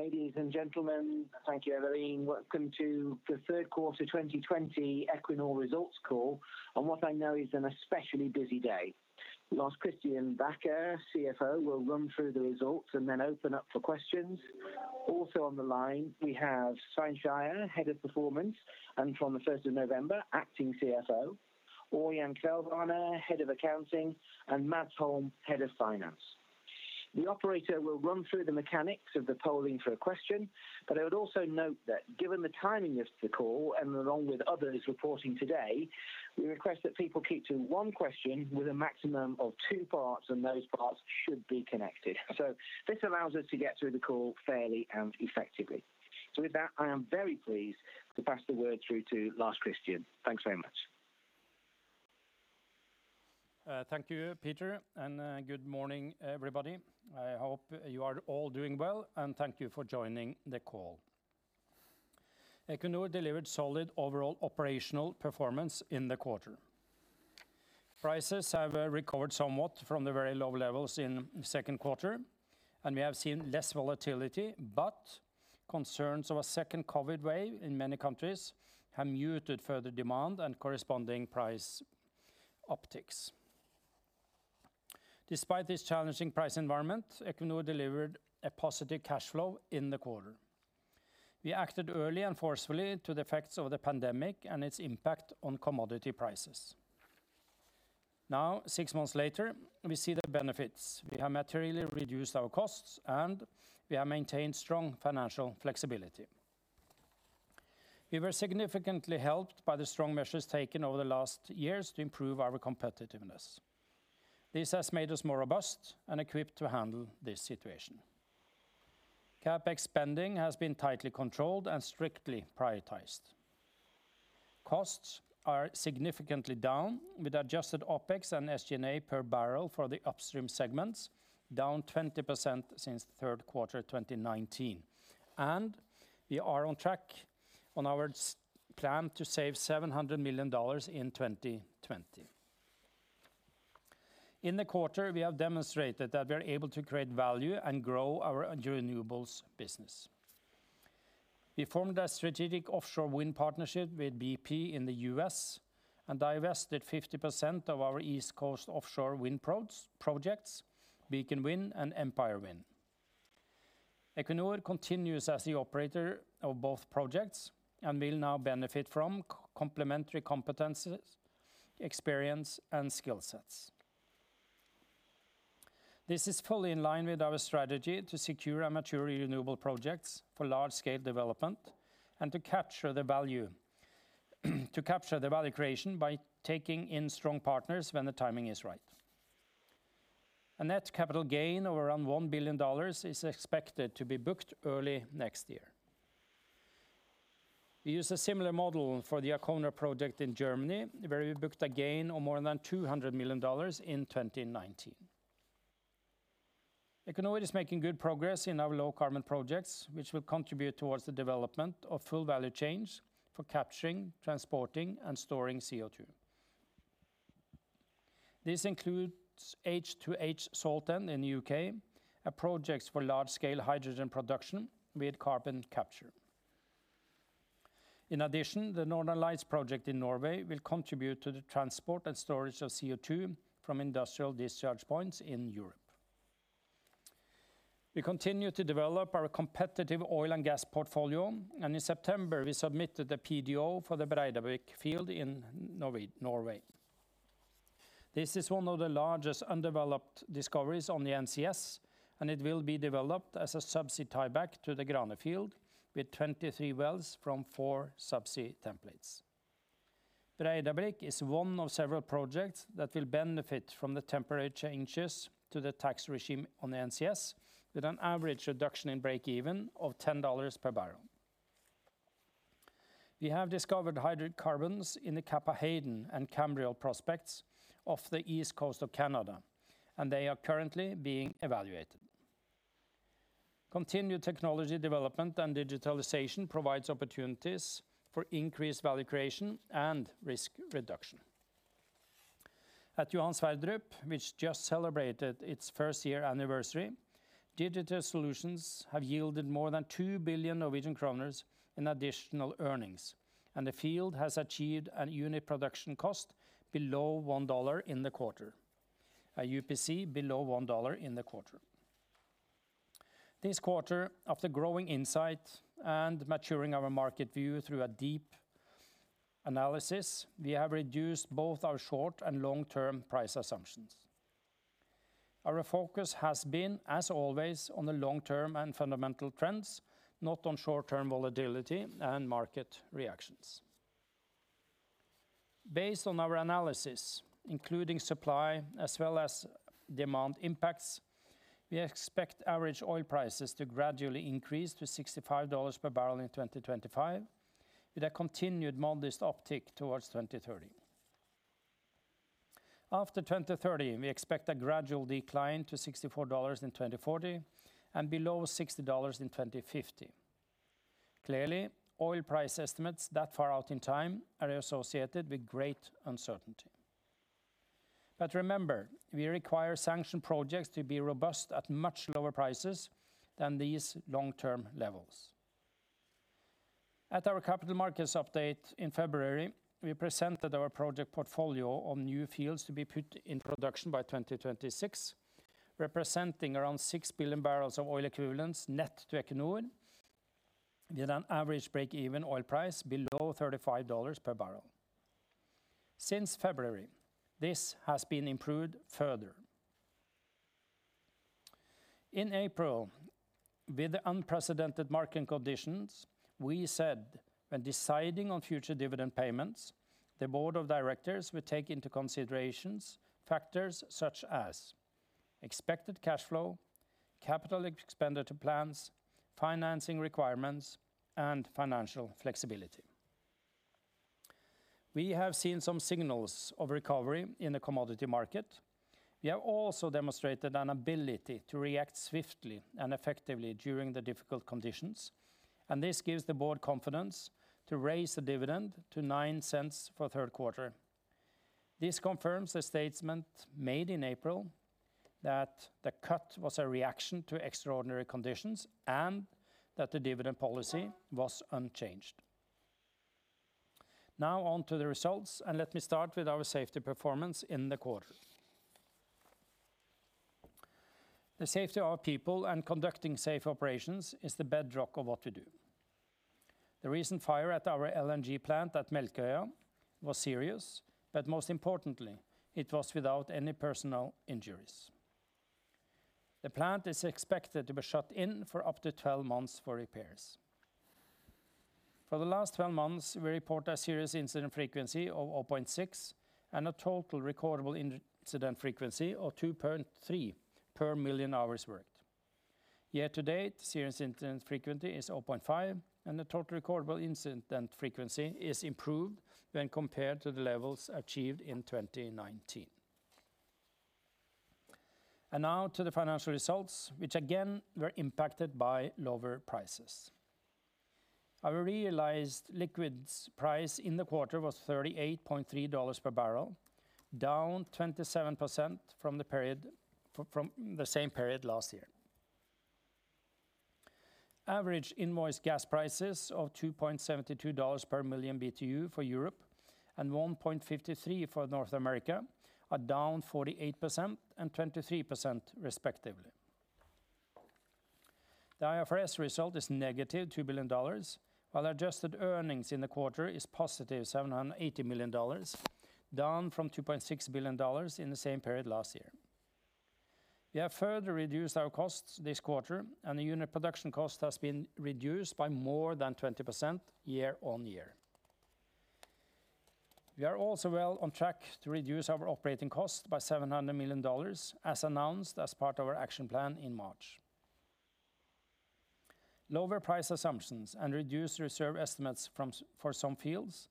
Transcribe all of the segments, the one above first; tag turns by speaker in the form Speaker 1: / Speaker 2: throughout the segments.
Speaker 1: Ladies and gentlemen, thank you, Eveline. Welcome to the third quarter 2020 Equinor results call on what I know is an especially busy day. Lars Christian Bacher, CFO, will run through the results and then open up for questions. Also on the line, we have Svein Skeie, Head of Performance, and from the 1st of November, Acting CFO, Ørjan Kvelvane, Head of Accounting, and Mads Holm, Head of Finance. The operator will run through the mechanics of the polling for a question, but I would also note that given the timing of the call, and along with others reporting today, we request that people keep to one question with a maximum of two parts, and those parts should be connected. This allows us to get through the call fairly and effectively. With that, I am very pleased to pass the word through to Lars Christian. Thanks very much.
Speaker 2: Thank you, Peter. Good morning, everybody. I hope you are all doing well, and thank you for joining the call. Equinor delivered solid overall operational performance in the quarter. Prices have recovered somewhat from the very low levels in the second quarter, and we have seen less volatility, but concerns of a second COVID wave in many countries have muted further demand and corresponding price upticks. Despite this challenging price environment, Equinor delivered a positive cash flow in the quarter. We acted early and forcefully to the effects of the pandemic and its impact on commodity prices. Now, six months later, we see the benefits. We have materially reduced our costs, and we have maintained strong financial flexibility. We were significantly helped by the strong measures taken over the last years to improve our competitiveness. This has made us more robust and equipped to handle this situation. CapEx spending has been tightly controlled and strictly prioritized. Costs are significantly down, with adjusted OpEx and SG&A per barrel for the upstream segments down 20% since the third quarter 2019. We are on track on our plan to save $700 million in 2020. In the quarter, we have demonstrated that we are able to create value and grow our renewables business. We formed a strategic offshore wind partnership with bp in the U.S. and divested 50% of our East Coast offshore wind projects, Beacon Wind and Empire Wind. Equinor continues as the operator of both projects and will now benefit from complementary competencies, experience, and skill sets. This is fully in line with our strategy to secure our mature renewable projects for large-scale development and to capture the value creation by taking in strong partners when the timing is right. A net capital gain of around $1 billion is expected to be booked early next year. We use a similar model for the Arkona project in Germany, where we booked a gain of more than $200 million in 2019. Equinor is making good progress in our low-carbon projects, which will contribute towards the development of full value chains for capturing, transporting, and storing CO2. This includes H2H Saltend in the U.K., a project for large-scale hydrogen production with carbon capture. The Northern Lights project in Norway will contribute to the transport and storage of CO2 from industrial discharge points in Europe. We continue to develop our competitive oil and gas portfolio, in September, we submitted the PDO for the Breidablikk field in Norway. This is one of the largest undeveloped discoveries on the NCS, and it will be developed as a subsea tieback to the Grane field, with 23 wells from four subsea templates. Breidablikk is one of several projects that will benefit from the temporary changes to the tax regime on the NCS, with an average reduction in break even of $10 per barrel. We have discovered hydrocarbons in the Cappahayden and Cambriol prospects off the east coast of Canada, and they are currently being evaluated. Continued technology development and digitalization provides opportunities for increased value creation and risk reduction. At Johan Sverdrup, which just celebrated its first-year anniversary, digital solutions have yielded more than 2 billion Norwegian kroner in additional earnings, and the field has achieved a unit production cost below $1 in the quarter. A UPC below $1 in the quarter. This quarter, after growing insight and maturing our market view through a deep analysis, we have reduced both our short- and long-term price assumptions. Our focus has been, as always, on the long-term and fundamental trends, not on short-term volatility and market reactions. Based on our analysis, including supply as well as demand impacts, we expect average oil prices to gradually increase to $65 per barrel in 2025, with a continued modest uptick towards 2030. After 2030, we expect a gradual decline to $64 in 2040 and below $60 in 2050. Clearly, oil price estimates that far out in time are associated with great uncertainty. Remember, we require sanctioned projects to be robust at much lower prices than these long-term levels. At our capital markets update in February, we presented our project portfolio on new fields to be put in production by 2026, representing around 6 billion barrels of oil equivalents net to Equinor with an average break-even oil price below $35 per barrel. Since February, this has been improved further. In April, with the unprecedented market conditions, we said when deciding on future dividend payments, the board of directors would take into considerations factors such as expected cash flow, capital expenditure plans, financing requirements, and financial flexibility. We have seen some signals of recovery in the commodity market. We have also demonstrated an ability to react swiftly and effectively during the difficult conditions. This gives the board confidence to raise the dividend to 0.09 for the third quarter. This confirms the statement made in April that the cut was a reaction to extraordinary conditions, and that the dividend policy was unchanged. On to the results, and let me start with our safety performance in the quarter. The safety of our people and conducting safe operations is the bedrock of what we do. The recent fire at our LNG plant at Melkøya was serious, but most importantly, it was without any personal injuries. The plant is expected to be shut in for up to 12 months for repairs. For the last 12 months, we report a serious incident frequency of 0.6 and a total recordable incident frequency of 2.3 per million hours worked. Year-to-date, serious incident frequency is 0.5, and the total recordable incident frequency is improved when compared to the levels achieved in 2019. Now to the financial results, which again were impacted by lower prices. Our realized liquids price in the quarter was $38.3 per barrel, down 27% from the same period last year. Average invoice gas prices of $2.72 per million BTU for Europe and $1.53 for North America are down 48% and 23% respectively. The IFRS result is -$2 billion, while adjusted earnings in the quarter is +$780 million, down from $2.6 billion in the same period last year. We have further reduced our costs this quarter, and the unit production cost has been reduced by more than 20% year-on-year. We are also well on track to reduce our operating cost by $700 million, as announced as part of our action plan in March. Lower price assumptions and reduced reserve estimates for some fields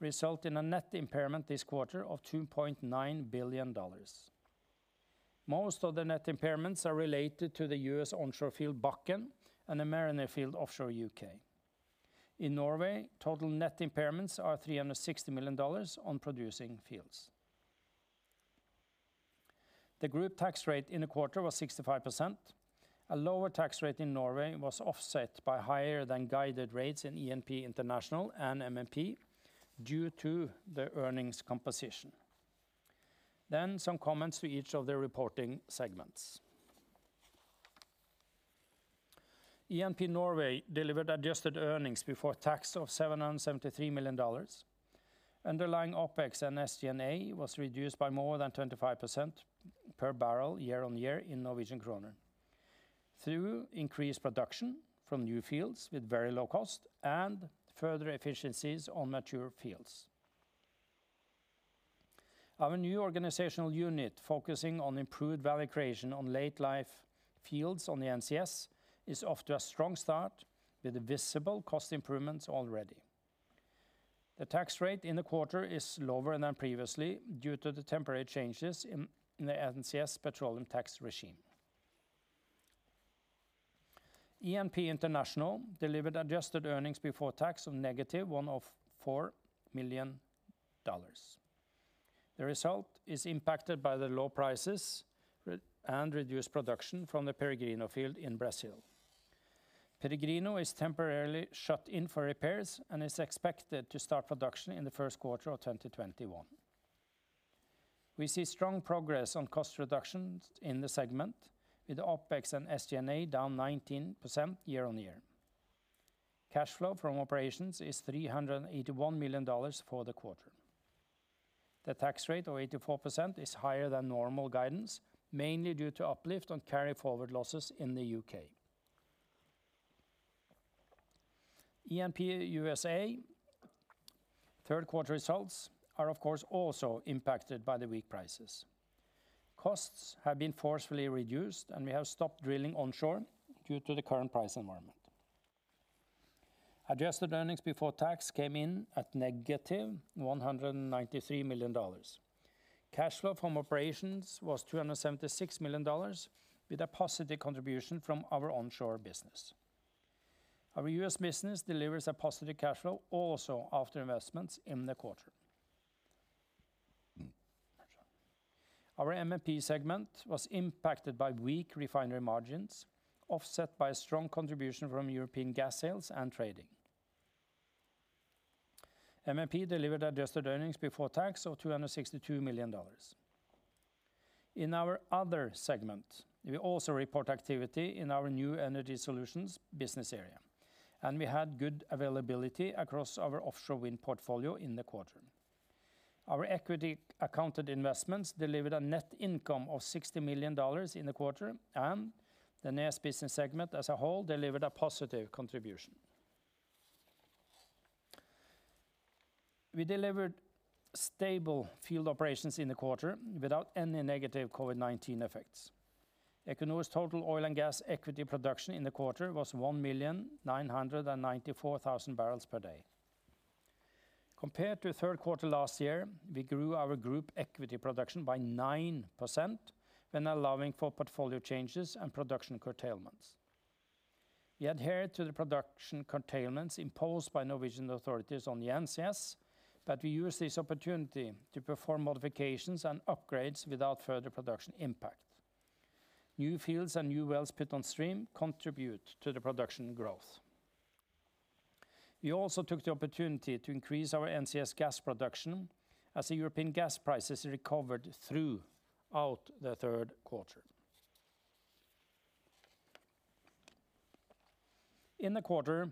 Speaker 2: result in a net impairment this quarter of $2.9 billion. Most of the net impairments are related to the U.S. onshore field Bakken and the Mariner field offshore U.K. In Norway, total net impairments are NOK 360 million on producing fields. The group tax rate in the quarter was 65%. A lower tax rate in Norway was offset by higher than guided rates in E&P International and MMP due to the earnings composition. Some comments to each of the reporting segments. E&P Norway delivered adjusted earnings before tax of NOK 773 million. Underlying OpEx and SG&A was reduced by more than 25% per barrel year-on-year in Norwegian Krone through increased production from new fields with very low cost and further efficiencies on mature fields. Our new organizational unit focusing on improved value creation on late life fields on the NCS is off to a strong start with visible cost improvements already. The tax rate in the quarter is lower than previously due to the temporary changes in the NCS petroleum tax regime. E&P International delivered adjusted earnings before tax of -$104 million. The result is impacted by the low prices and reduced production from the Peregrino field in Brazil. Peregrino is temporarily shut in for repairs and is expected to start production in the first quarter of 2021. We see strong progress on cost reductions in the segment, with OpEx and SG&A down 19% year-on-year. Cash flow from operations is $381 million for the quarter. The tax rate of 84% is higher than normal guidance, mainly due to uplift on carryforward losses in the U.K. E&P USA third-quarter results are, of course, also impacted by the weak prices. Costs have been forcefully reduced, and we have stopped drilling onshore due to the current price environment. Adjusted earnings before tax came in at -$193 million. Cash flow from operations was $276 million, with a positive contribution from our onshore business. Our U.S. business delivers a positive cash flow also after investments in the quarter. Our MMP segment was impacted by weak refinery margins, offset by strong contribution from European gas sales and trading. MMP delivered adjusted earnings before tax of $262 million. In our other segment, we also report activity in our New Energy Solutions business area. We had good availability across our offshore wind portfolio in the quarter. Our equity accounted investments delivered a net income of $60 million in the quarter. The NES business segment as a whole delivered a positive contribution. We delivered stable field operations in the quarter without any negative COVID-19 effects. Equinor's total oil and gas equity production in the quarter was 1,994,000 barrels per day. Compared to the third quarter last year, we grew our group equity production by 9% when allowing for portfolio changes and production curtailments. We adhere to the production curtailments imposed by Norwegian authorities on the NCS, but we use this opportunity to perform modifications and upgrades without further production impact. New fields and new wells put on stream contribute to the production growth. We also took the opportunity to increase our NCS gas production as the European gas prices recovered throughout the third quarter. In the quarter,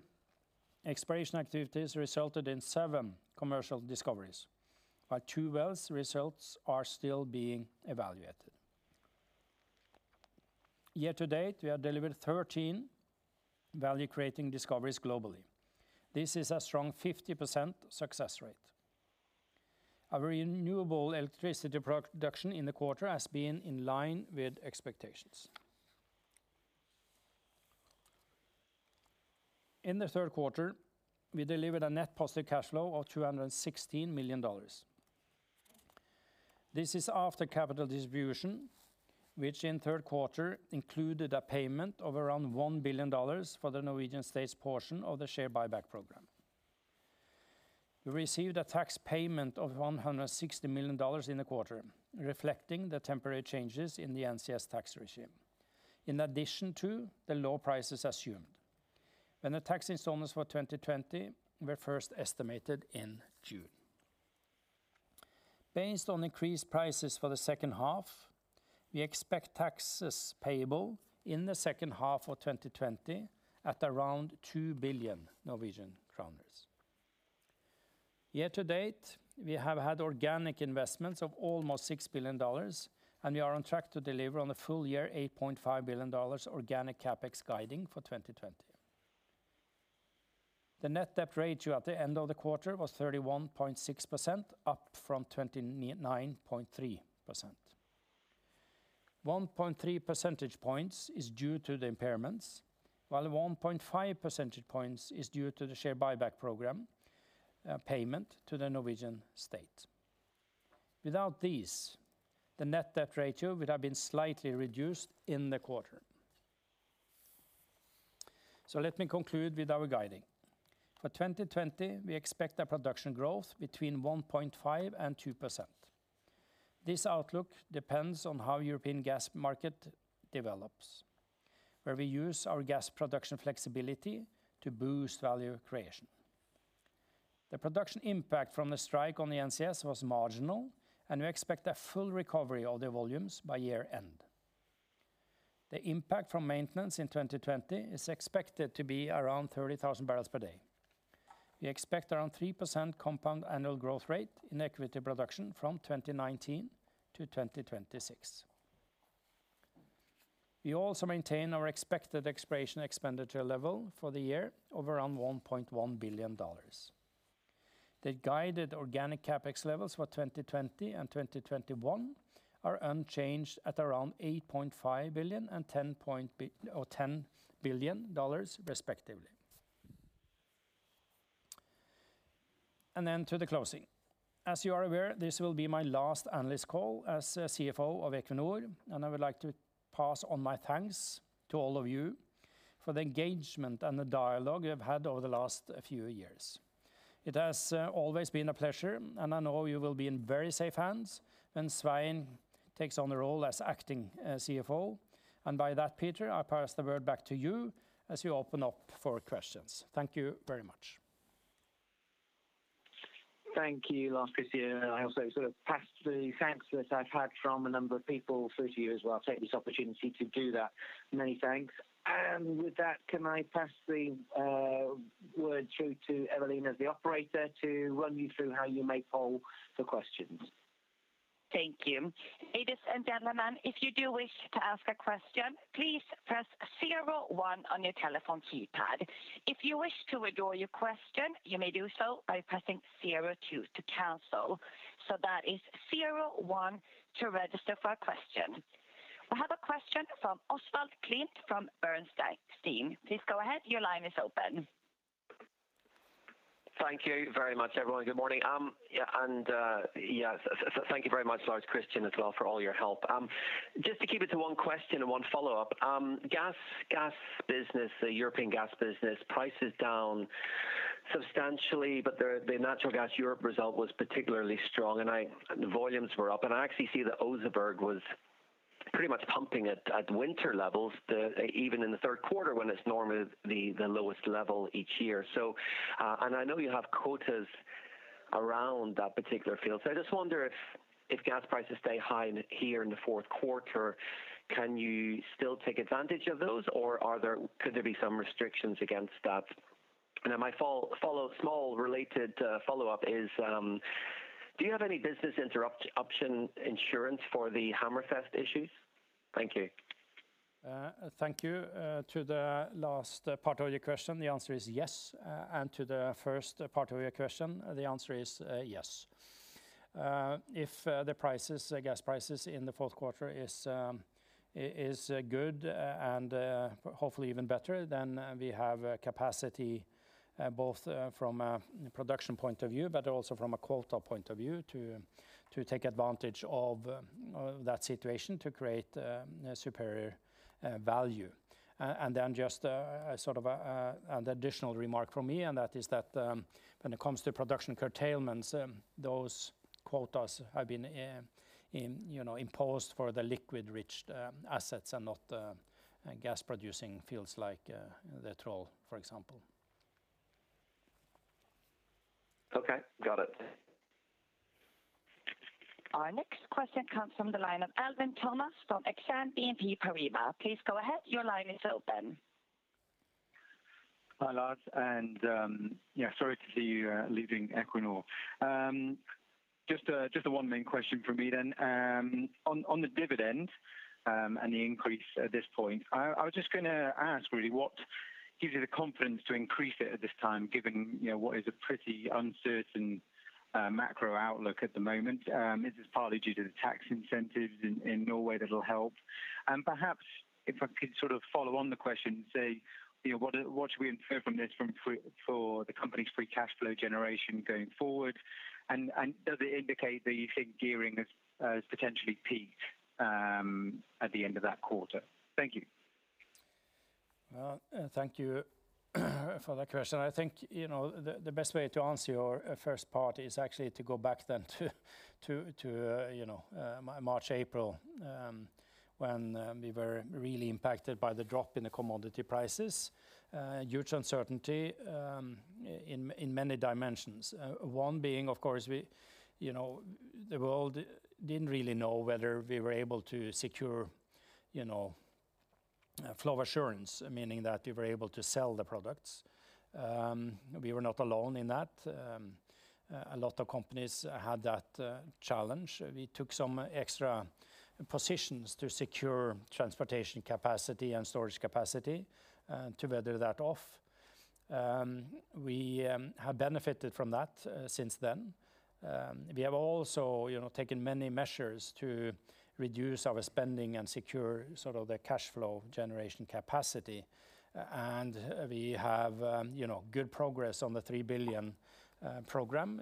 Speaker 2: exploration activities resulted in seven commercial discoveries, while two wells results are still being evaluated. Year-to-date, we have delivered 13 value-creating discoveries globally. This is a strong 50% success rate. Our renewable electricity production in the quarter has been in line with expectations. In the third quarter, we delivered a net positive cash flow of $216 million. This is after capital distribution, which in the third quarter included a payment of around $1 billion for the Norwegian State's portion of the share buyback program. We received a tax payment of $160 million in the quarter, reflecting the temporary changes in the NCS tax regime, in addition to the low prices assumed when the tax installments for 2020 were first estimated in June. Based on increased prices for the second half, we expect taxes payable in the second half of 2020 at around NOK 2 billion. Year-to-date, we have had organic investments of almost $6 billion. We are on track to deliver on the full year $8.5 billion organic CapEx guiding for 2020. The net debt ratio at the end of the quarter was 31.6%, up from 29.3%. 1.3 percentage points is due to the impairments, while 1.5 percentage points is due to the share buyback program payment to the Norwegian state. Without these, the net debt ratio would have been slightly reduced in the quarter. Let me conclude with our guiding. For 2020, we expect a production growth between 1.5% and 2%. This outlook depends on how European gas market develops, where we use our gas production flexibility to boost value creation. The production impact from the strike on the NCS was marginal, and we expect a full recovery of the volumes by year-end. The impact from maintenance in 2020 is expected to be around 30,000 barrels per day. We expect around 3% compound annual growth rate in equity production from 2019 to 2026. We also maintain our expected exploration expenditure level for the year of around $1.1 billion. The guided organic CapEx levels for 2020 and 2021 are unchanged at around $8.5 billion and $10 billion respectively. Then to the closing. As you are aware, this will be my last analyst call as CFO of Equinor, and I would like to pass on my thanks to all of you for the engagement and the dialogue we have had over the last few years. It has always been a pleasure, and I know you will be in very safe hands when Svein takes on the role as acting CFO. By that, Peter, I pass the word back to you as you open up for questions. Thank you very much.
Speaker 1: Thank you, Lars Christian. I also sort of pass the thanks that I've had from a number of people through to you as well. Take this opportunity to do that. Many thanks. With that, can I pass the word through to Eveline as the operator to run you through how you may poll for questions.
Speaker 3: Thank you. Ladies and gentlemen, if you do wish to ask a question, please press zero one on your telephone keypad. If you wish to withdraw your question, you may do so by pressing zero two to cancel. That is zero one to register for a question. I have a question from Oswald Clint from Bernstein. Please go ahead. Your line is open.
Speaker 4: Thank you very much, everyone. Good morning. Thank you very much, Lars Christian, as well for all your help. Just to keep it to one question and one follow-up. Gas business, the European gas business price is down substantially, the natural gas Europe result was particularly strong and the volumes were up. I actually see that Oseberg was pretty much pumping at winter levels, even in the third quarter when it's normally the lowest level each year. I know you have quotas around that particular field, I just wonder if gas prices stay high here in the fourth quarter, can you still take advantage of those, or could there be some restrictions against that? My small related follow-up is, do you have any business interruption insurance for the Hammerfest issues? Thank you.
Speaker 2: Thank you. To the last part of your question, the answer is yes. To the first part of your question, the answer is yes. If the gas prices in the fourth quarter is good and hopefully even better, then we have capacity both from a production point of view, but also from a quota point of view to take advantage of that situation to create superior value. Then just an additional remark from me, and that is that when it comes to production curtailments, those quotas have been imposed for the liquid-rich assets and not gas-producing fields like Troll, for example.
Speaker 4: Okay. Got it.
Speaker 3: Our next question comes from the line of Alwyn Thomas from Exane BNP Paribas. Please go ahead. Your line is open.
Speaker 5: Hi, Lars. Sorry to see you leaving Equinor. Just one main question from me then. On the dividend and the increase at this point, I was just going to ask really what gives you the confidence to increase it at this time, given what is a pretty uncertain macro outlook at the moment? Is this partly due to the tax incentives in Norway that'll help? Perhaps if I could follow on the question, say, what should we infer from this for the company's free cash flow generation going forward? Does it indicate that you think gearing has potentially peaked at the end of that quarter? Thank you.
Speaker 2: Well, thank you for that question. I think the best way to answer your first part is actually to go back then to March, April when we were really impacted by the drop in the commodity prices. Huge uncertainty in many dimensions. One being, of course, the world didn't really know whether we were able to secure flow assurance, meaning that we were able to sell the products. We were not alone in that. A lot of companies had that challenge. We took some extra positions to secure transportation capacity and storage capacity to weather that off. We have benefited from that since then. We have also taken many measures to reduce our spending and secure the cash flow generation capacity. We have good progress on the $3 billion program,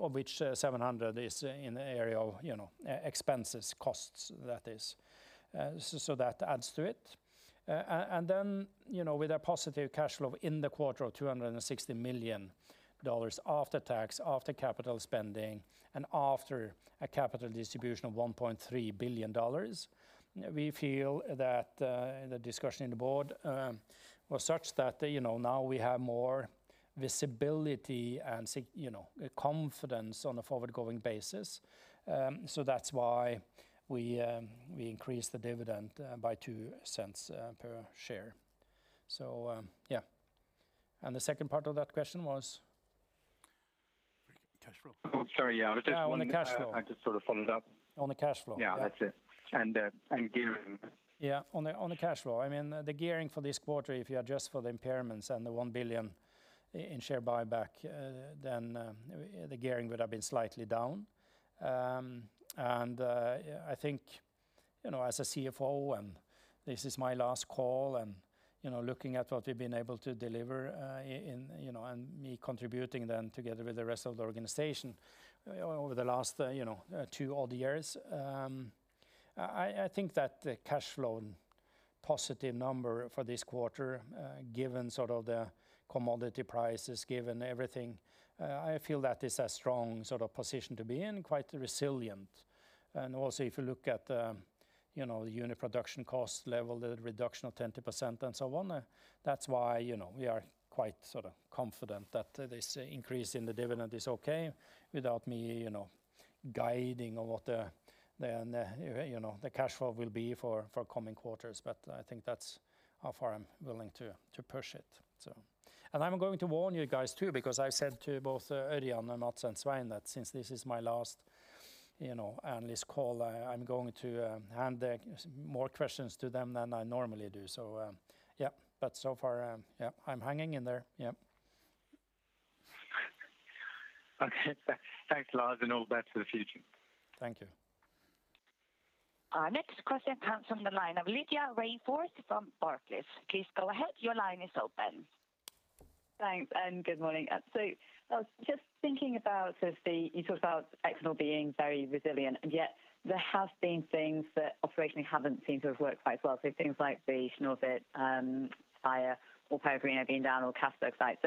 Speaker 2: of which $700 million is in the area of expenses, costs, that is. That adds to it. With a positive cash flow in the quarter of $260 million after tax, after capital spending, and after a capital distribution of $1.3 billion, we feel that the discussion in the board was such that now we have more visibility and confidence on a forward-going basis. That's why we increased the dividend by $0.02 per share. Yeah. The second part of that question was?
Speaker 5: Cash flow.
Speaker 2: On the cash flow.
Speaker 5: I just sort of followed up.
Speaker 2: On the cash flow.
Speaker 5: Yeah, that's it. Gearing.
Speaker 2: Yeah, on the cash flow. The gearing for this quarter, if you adjust for the impairments and the $1 billion in share buyback, then the gearing would have been slightly down. I think as a CFO, and this is my last call, and looking at what we've been able to deliver, and me contributing then together with the rest of the organization over the last two odd years, I think that the cash flow positive number for this quarter given the commodity prices, given everything, I feel that is a strong position to be in, quite resilient. Also, if you look at the unit production cost level, the reduction of 20% and so on, that's why we are quite confident that this increase in the dividend is okay without me guiding on what the cash flow will be for coming quarters. I think that's how far I'm willing to push it. I'm going to warn you guys, too, because I said to both Ørjan and Odd and Svein that since this is my last analyst call, I'm going to hand more questions to them than I normally do. So far, I'm hanging in there. Yep.
Speaker 5: Okay. Thanks, Lars, and all the best for the future.
Speaker 2: Thank you.
Speaker 3: Our next question comes from the line of Lydia Rainforth from Barclays. Please go ahead. Your line is open.
Speaker 6: Thanks. Good morning. I was just thinking about, you talked about Equinor being very resilient, and yet there have been things that operationally haven't seemed to have worked quite well. Things like the Snøhvit fire or Peregrino being down or Castberg site.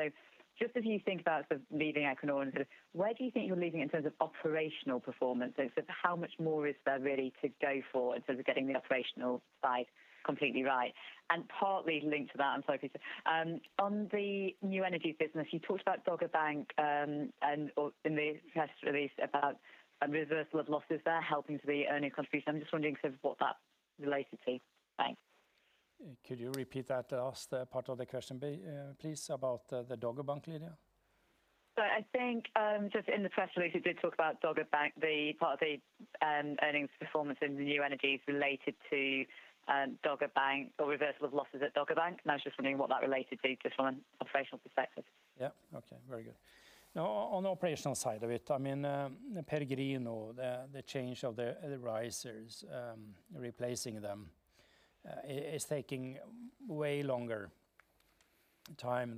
Speaker 6: Just as you think about leaving Equinor and sort of where do you think you're leaving in terms of operational performance? In terms of how much more is there really to go for in terms of getting the operational side completely right? Partly linked to that, I'm sorry, please. On the new energy business, you talked about Dogger Bank, and in the press release about a reversal of losses there helping to the earning contribution. I'm just wondering sort of what that related to. Thanks.
Speaker 2: Could you repeat that last part of the question please, about the Dogger Bank, Lydia?
Speaker 6: I think just in the press release, you did talk about Dogger Bank, the part of the earnings performance in the new energies related to Dogger Bank or reversal of losses at Dogger Bank, and I was just wondering what that related to just from an operational perspective.
Speaker 2: Yeah. Okay. Very good. On the operational side of it, Peregrino, the change of the risers, replacing them, is taking way longer time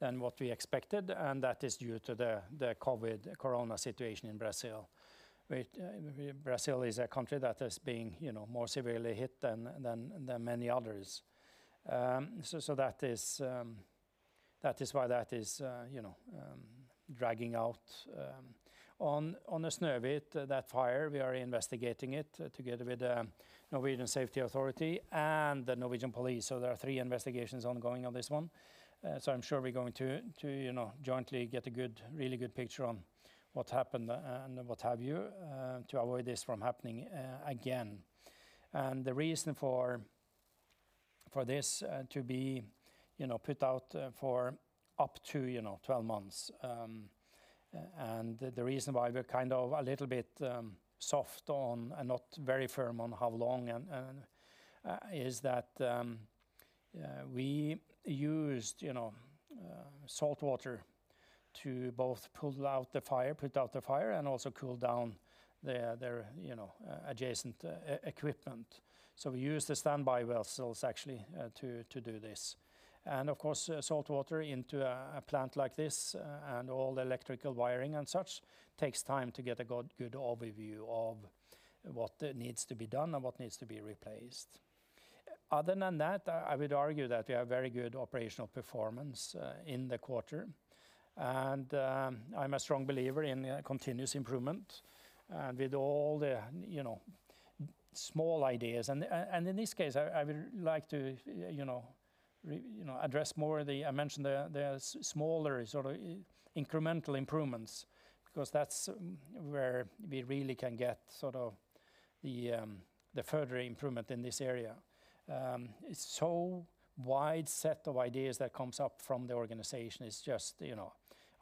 Speaker 2: than what we expected, and that is due to the COVID corona situation in Brazil. Brazil is a country that is being more severely hit than many others. That is why that is dragging out. On the Snøhvit, that fire, we are investigating it together with the Norwegian Safety Authority and the Norwegian police, so there are three investigations ongoing on this one. I'm sure we're going to jointly get a really good picture on what happened and what have you, to avoid this from happening again. The reason for this to be put out for up to 12 months, and the reason why we're kind of a little bit soft on and not very firm on how long, is that we used salt water to both pull out the fire, put out the fire, and also cool down their adjacent equipment. We used the standby vessels actually to do this. Of course, salt water into a plant like this and all the electrical wiring and such, takes time to get a good overview of what needs to be done and what needs to be replaced. Other than that, I would argue that we have very good operational performance in the quarter. I'm a strong believer in continuous improvement and with all the small ideas. In this case, I would like to address more, I mentioned the smaller sort of incremental improvements, because that's where we really can get the further improvement in this area. It's so wide set of ideas that comes up from the organization.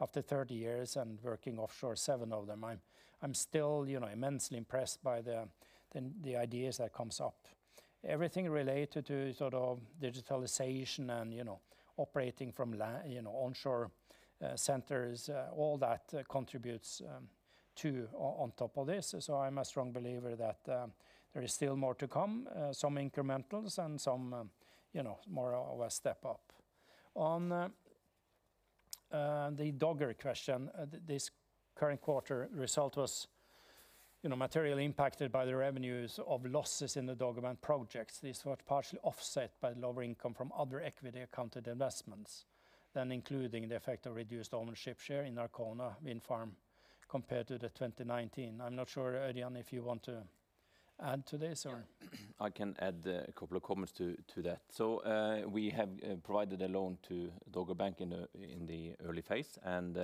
Speaker 2: After 30 years and working offshore seven of them, I'm still immensely impressed by the ideas that comes up. Everything related to digitalization and operating from onshore centers, all that contributes too on top of this. I'm a strong believer that there is still more to come, some incrementals and some more of a step up. On the Dogger question, this current quarter result was materially impacted by the revenues of losses in the Dogger Bank projects. These were partially offset by lower income from other equity accounted investments, including the effect of reduced ownership share in Arkona Windfarm compared to the 2019. I'm not sure, Ørjan, if you want to add to this or?
Speaker 7: I can add a couple of comments to that. We have provided a loan to Dogger Bank in the early phase, and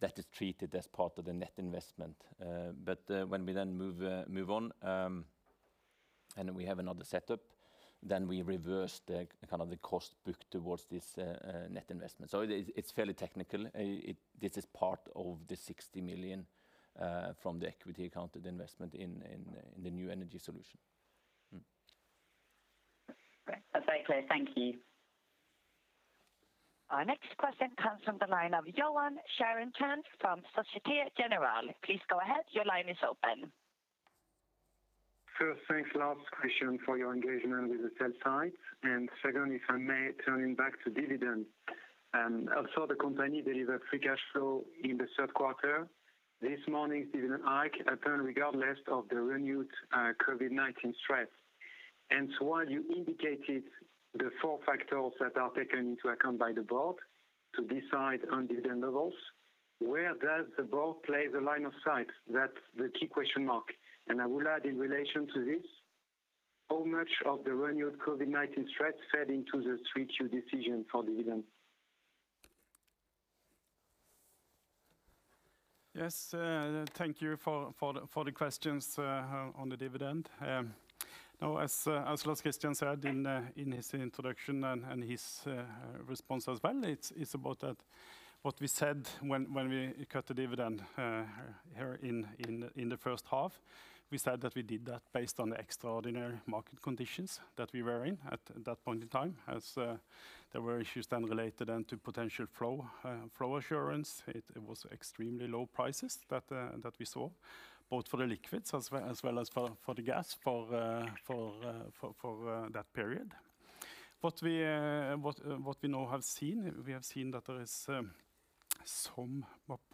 Speaker 7: that is treated as part of the net investment. When we then move on, and we have another setup, then we reverse the kind of the cost book towards this net investment. It's fairly technical. This is part of the $60 million from the equity accounted investment in the New Energy Solutions.
Speaker 6: Great. That's very clear. Thank you.
Speaker 3: Our next question comes from the line of Yoann Charenton from Société Générale. Please go ahead. Your line is open.
Speaker 8: First, thanks, Lars Christian, for your engagement with the sell side. Second, if I may, turning back to dividend. I saw the company delivered free cash flow in the third quarter. This morning, dividend hike apparently regardless of the renewed COVID-19 threat. While you indicated the four factors that are taken into account by the board to decide on dividend levels, where does the board play the line of sight? That's the key question mark. I will add in relation to this, how much of the renewed COVID-19 threat fed into the 3Q decision for dividend?
Speaker 9: Yes, thank you for the questions on the dividend. Now, as Lars Christian said in his introduction and his response as well, it's about what we said when we cut the dividend here in the first half. We said that we did that based on the extraordinary market conditions that we were in at that point in time, as there were issues then related to potential flow assurance. It was extremely low prices that we saw, both for the liquids as well as for the gas for that period. What we now have seen, we have seen that there is some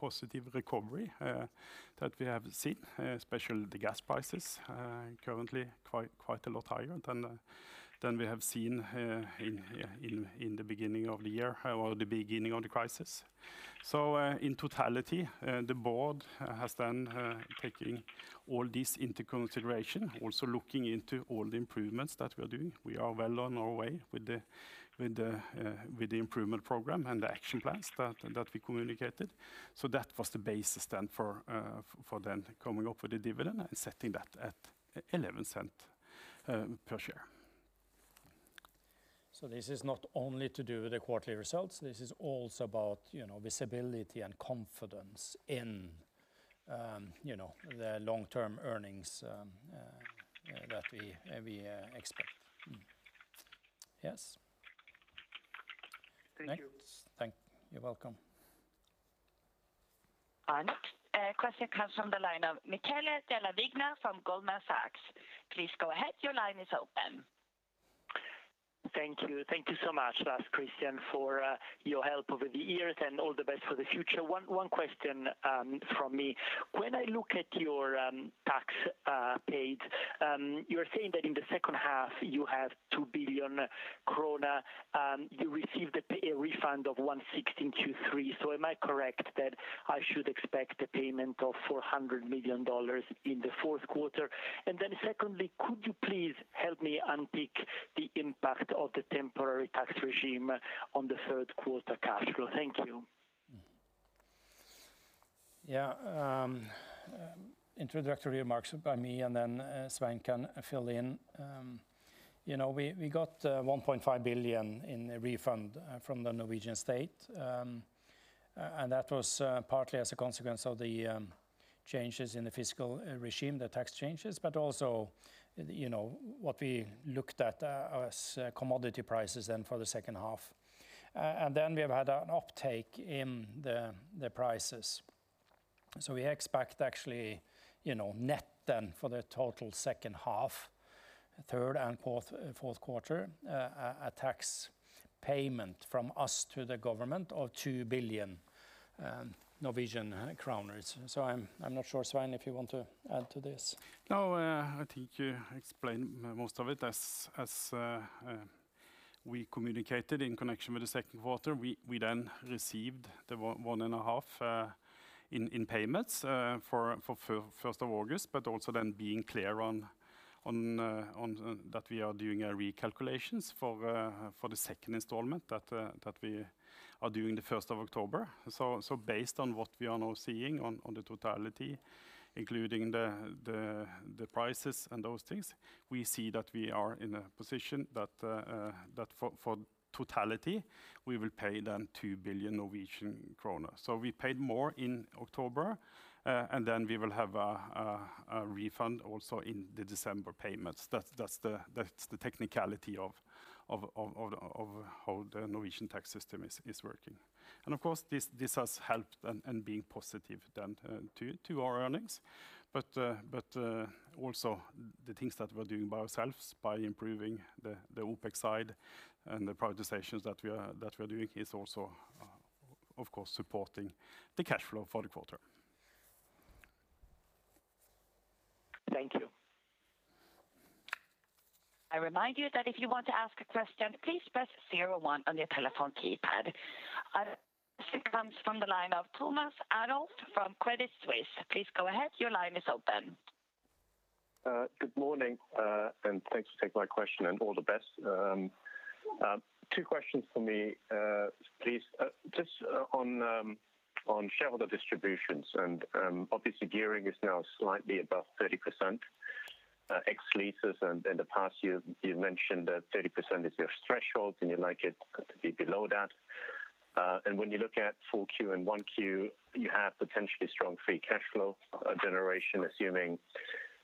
Speaker 9: positive recovery that we have seen, especially the gas prices are currently quite a lot higher than we have seen in the beginning of the year or the beginning of the crisis. In totality, the board has then taken all this into consideration, also looking into all the improvements that we are doing. We are well on our way with the improvement program and the action plans that we communicated. That was the basis then for coming up with the dividend and setting that at $0.11 per share.
Speaker 2: This is not only to do with the quarterly results, this is also about visibility and confidence in the long-term earnings that we expect. Yes?
Speaker 8: Thank you.
Speaker 9: Thank you. You're welcome.
Speaker 3: Our next question comes from the line of Michele Della Vigna from Goldman Sachs. Please go ahead. Your line is open.
Speaker 10: Thank you. Thank you so much, Lars Christian, for your help over the years, and all the best for the future. One question from me. When I look at your tax paid, you're saying that in the second half you have 2 billion krone. You received a refund of [116.23 million]. Am I correct that I should expect a payment of $400 million in the fourth quarter? Secondly, could you please help me unpick the impact of the temporary tax regime on the third quarter cash flow? Thank you.
Speaker 2: Yeah. Introductory remarks by me, and then Svein can fill in. We got 1.5 billion in a refund from the Norwegian state, and that was partly as a consequence of the changes in the fiscal regime, the tax changes, but also what we looked at as commodity prices then for the second half. We have had an uptake in the prices. We expect actually net then for the total second half, third, and fourth quarter, a tax payment from us to the government of 2 billion Norwegian kroner. I'm not sure, Svein, if you want to add to this.
Speaker 9: No, I think you explained most of it. As we communicated in connection with the second quarter, we then received the one and a half in payments for 1st of August, being clear that we are doing a recalculations for the second installment that we are doing the 1st of October. Based on what we are now seeing on the totality, including the prices and those things, we see that we are in a position that for totality, we will pay 2 billion Norwegian kroner. We paid more in October, we will have a refund also in the December payments. That's the technicality of how the Norwegian tax system is working. Of course, this has helped in being positive to our earnings. Also the things that we're doing by ourselves by improving the OpEx side and the prioritizations that we're doing is also, of course, supporting the cash flow for the quarter.
Speaker 10: Thank you.
Speaker 3: I remind you that if you want to ask a question, please press zero one on your telephone keypad. Next comes from the line of Thomas Adolff from Credit Suisse. Please go ahead. Your line is open.
Speaker 11: Good morning. Thanks for taking my question, and all the best. Two questions from me, please. Just on shareholder distributions. Obviously gearing is now slightly above 30% ex leases. In the past you mentioned that 30% is your threshold and you like it to be below that. When you look at full Q and 1Q, you have potentially strong free cash flow generation, assuming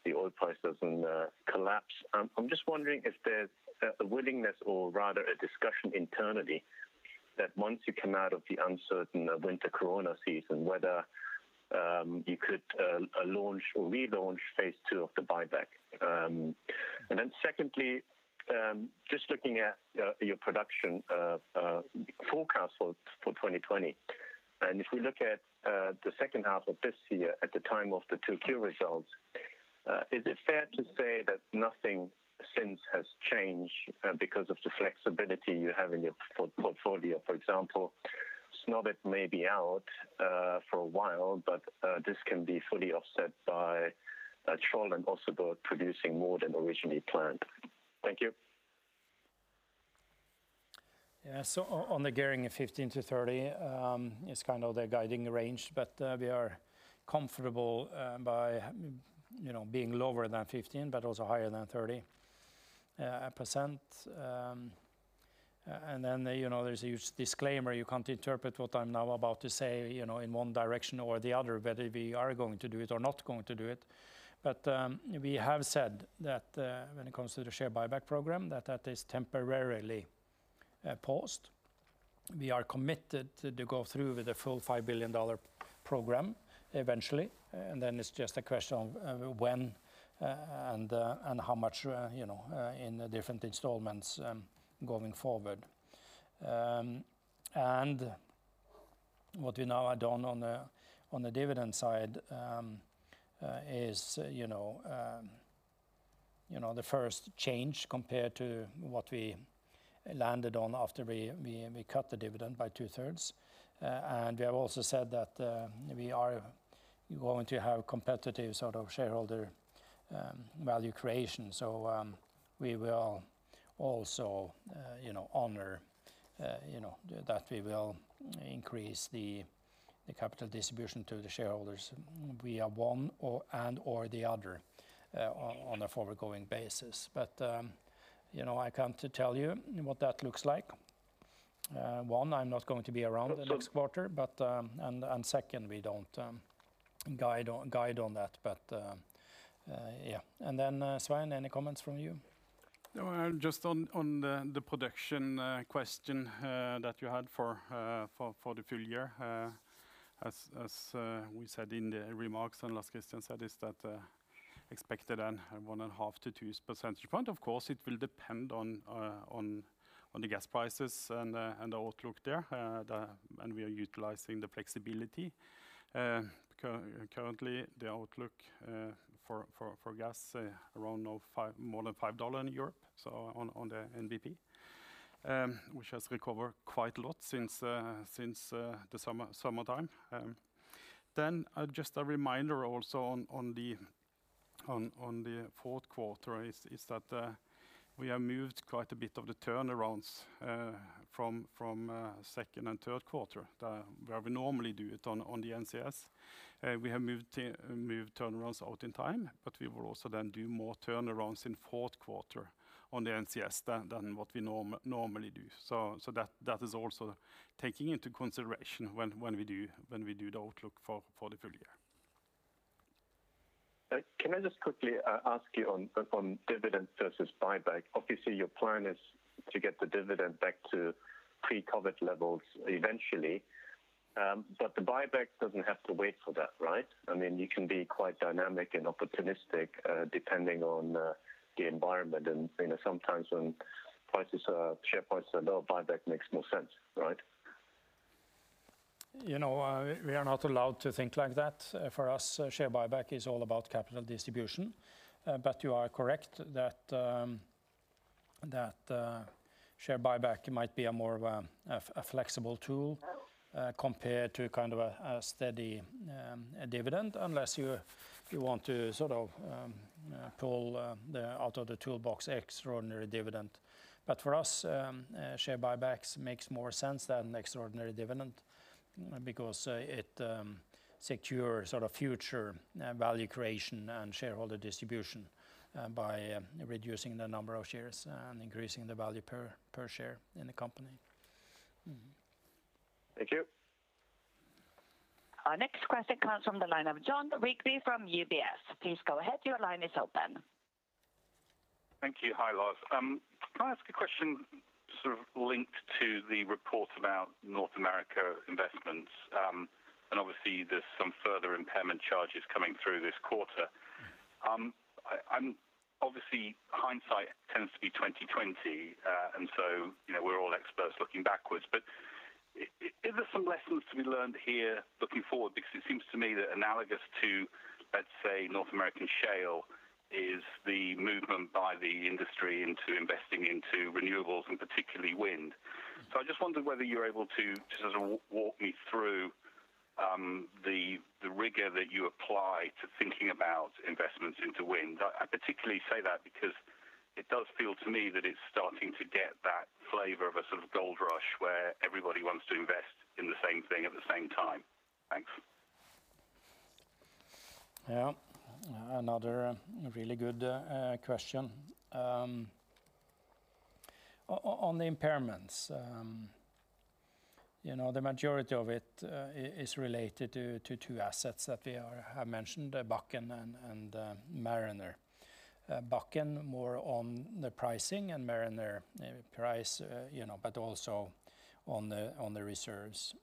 Speaker 11: the oil price doesn't collapse. I'm just wondering if there's a willingness or rather a discussion internally that once you come out of the uncertain winter Corona season, whether you could launch or relaunch phase II of the buyback. Secondly, just looking at your production forecast for 2020, if we look at the second half of this year at the time of the 2Q results, is it fair to say that nothing since has changed because of the flexibility you have in your portfolio? For example, Snøhvit may be out for a while, but this can be fully offset by Troll and also producing more than originally planned. Thank you.
Speaker 2: Yeah. On the gearing of 15%-30%, it's kind of the guiding range, but we are comfortable by being lower than 15% but also higher than 30%. Then there's a huge disclaimer. You can't interpret what I'm now about to say in one direction or the other, whether we are going to do it or not going to do it. We have said that when it comes to the share buyback program, that that is temporarily paused. We are committed to go through with the full $5 billion program eventually, and then it's just a question of when and how much in the different installments going forward. What we now add on the dividend side is the first change compared to what we landed on after we cut the dividend by two-thirds. We have also said that we are going to have competitive shareholder value creation. We will also honor that we will increase the capital distribution to the shareholders via one and/or the other on a forward-going basis. I can't tell you what that looks like. One, I'm not going to be around the next quarter, and second, we don't guide on that. Yeah. Svein, any comments from you?
Speaker 9: No, just on the production question that you had for the full year. As we said in the remarks, and Lars Christian said, is that expected 1.5-2 percentage point. Of course, it will depend on the gas prices and the outlook there. We are utilizing the flexibility. Currently, the outlook for gas, around more than $5 in Europe on the NBP, which has recovered quite a lot since the summertime. Just a reminder also on the fourth quarter is that we have moved quite a bit of the turnarounds from second and third quarter, where we normally do it on the NCS. We have moved turnarounds out in time, but we will also then do more turnarounds in fourth quarter on the NCS than what we normally do. That is also taking into consideration when we do the outlook for the full year.
Speaker 11: Can I just quickly ask you on dividend versus buyback? Obviously, your plan is to get the dividend back to pre-COVID levels eventually. The buyback doesn't have to wait for that, right? You can be quite dynamic and opportunistic depending on the environment. Sometimes when share prices are low, buyback makes more sense, right?
Speaker 2: We are not allowed to think like that. For us, share buyback is all about capital distribution. You are correct that share buyback might be a more of a flexible tool compared to a steady dividend, unless you want to pull out of the toolbox extraordinary dividend. For us, share buybacks makes more sense than extraordinary dividend because it secures future value creation and shareholder distribution by reducing the number of shares and increasing the value per share in the company. Mm-hmm.
Speaker 11: Thank you.
Speaker 3: Our next question comes from the line of Jon Rigby from UBS. Please go ahead. Your line is open.
Speaker 12: Thank you. Hi, Lars. Can I ask a question sort of linked to the report about North America investments? Obviously, there's some further impairment charges coming through this quarter. Obviously, hindsight tends to be 2020. We're all experts looking backwards. Is there some lessons to be learned here looking forward? It seems to me that analogous to, let's say, North American shale, is the movement by the industry into investing into renewables and particularly wind. I just wondered whether you're able to just sort of walk me through the rigor that you apply to thinking about investments into wind. I particularly say that because it does feel to me that it's starting to get that flavor of a sort of gold rush where everybody wants to invest in the same thing at the same time. Thanks.
Speaker 2: Yeah. Another really good question. On the impairments, the majority of it is related to two assets that we have mentioned, Bakken and Mariner. Bakken, more on the pricing and Mariner, price but also on the reserves.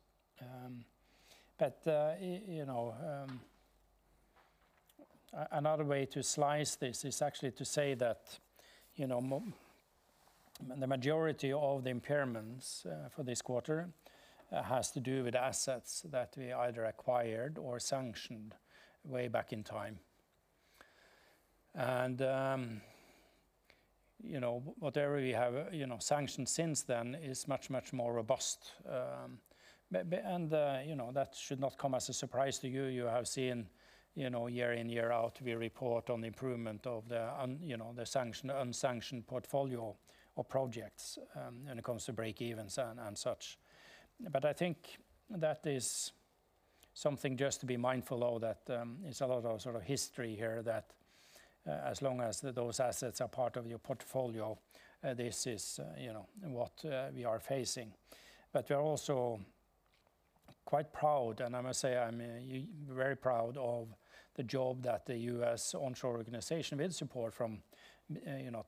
Speaker 2: Another way to slice this is actually to say that the majority of the impairments for this quarter has to do with assets that we either acquired or sanctioned way back in time. Whatever we have sanctioned since then is much, much more robust. That should not come as a surprise to you. You have seen year in, year out, we report on the improvement of the unsanctioned portfolio of projects when it comes to break-evens and such. I think that is something just to be mindful of, that there's a lot of history here that as long as those assets are part of your portfolio, this is what we are facing. We are also quite proud, and I must say I'm very proud of the job that the U.S. onshore organization, with support from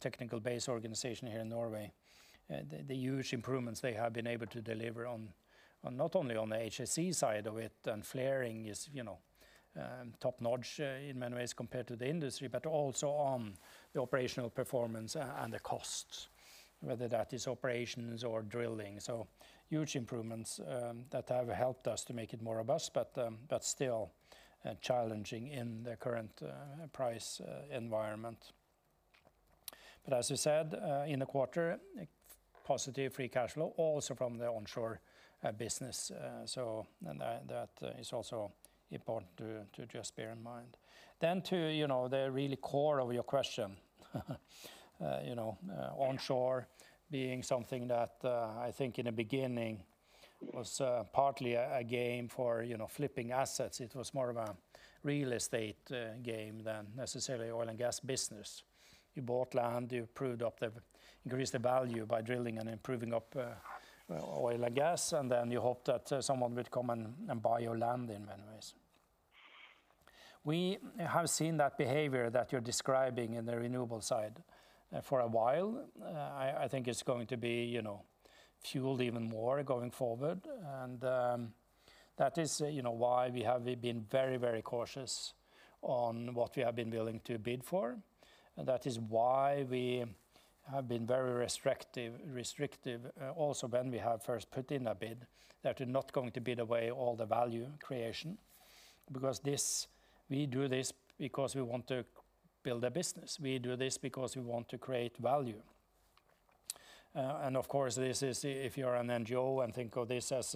Speaker 2: technical-based organization here in Norway, the huge improvements they have been able to deliver not only on the HSE side of it, and flaring is top-notch in many ways compared to the industry, but also on the operational performance and the costs, whether that is operations or drilling. Huge improvements that have helped us to make it more robust, but still challenging in the current price environment. As we said, in the quarter, positive free cash flow also from the onshore business. That is also important to just bear in mind. To the really core of your question. Onshore being something that I think in the beginning was partly a game for flipping assets. It was more of a real estate game than necessarily oil and gas business. You bought land, you increased the value by drilling and improving up oil and gas, and then you hope that someone would come and buy your land in many ways. We have seen that behavior that you're describing in the renewable side for a while. I think it's going to be fueled even more going forward. That is why we have been very cautious on what we have been willing to bid for. That is why we have been very restrictive also when we have first put in a bid that we're not going to bid away all the value creation. We do this because we want to build a business. We do this because we want to create value. Of course, if you're an NGO and think of this as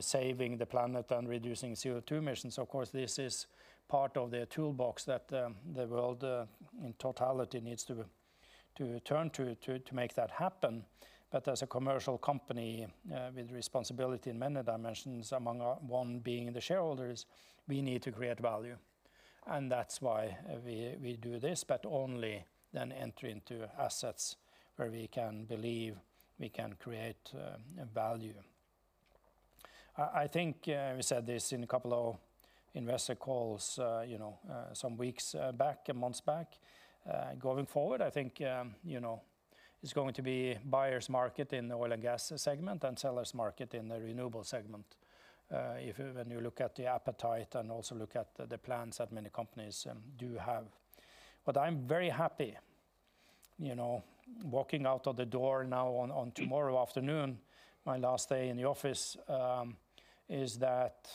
Speaker 2: saving the planet and reducing CO2 emissions, of course, this is part of the toolbox that the world in totality needs to turn to make that happen. As a commercial company with responsibility in many dimensions, among one being the shareholders, we need to create value, and that's why we do this, but only then enter into assets where we can believe we can create value. I think we said this in a couple of investor calls some weeks back and months back. Going forward, I think it's going to be buyer's market in the oil and gas segment and seller's market in the renewable segment when you look at the appetite and also look at the plans that many companies do have. I'm very happy walking out of the door now on tomorrow afternoon, my last day in the office, is that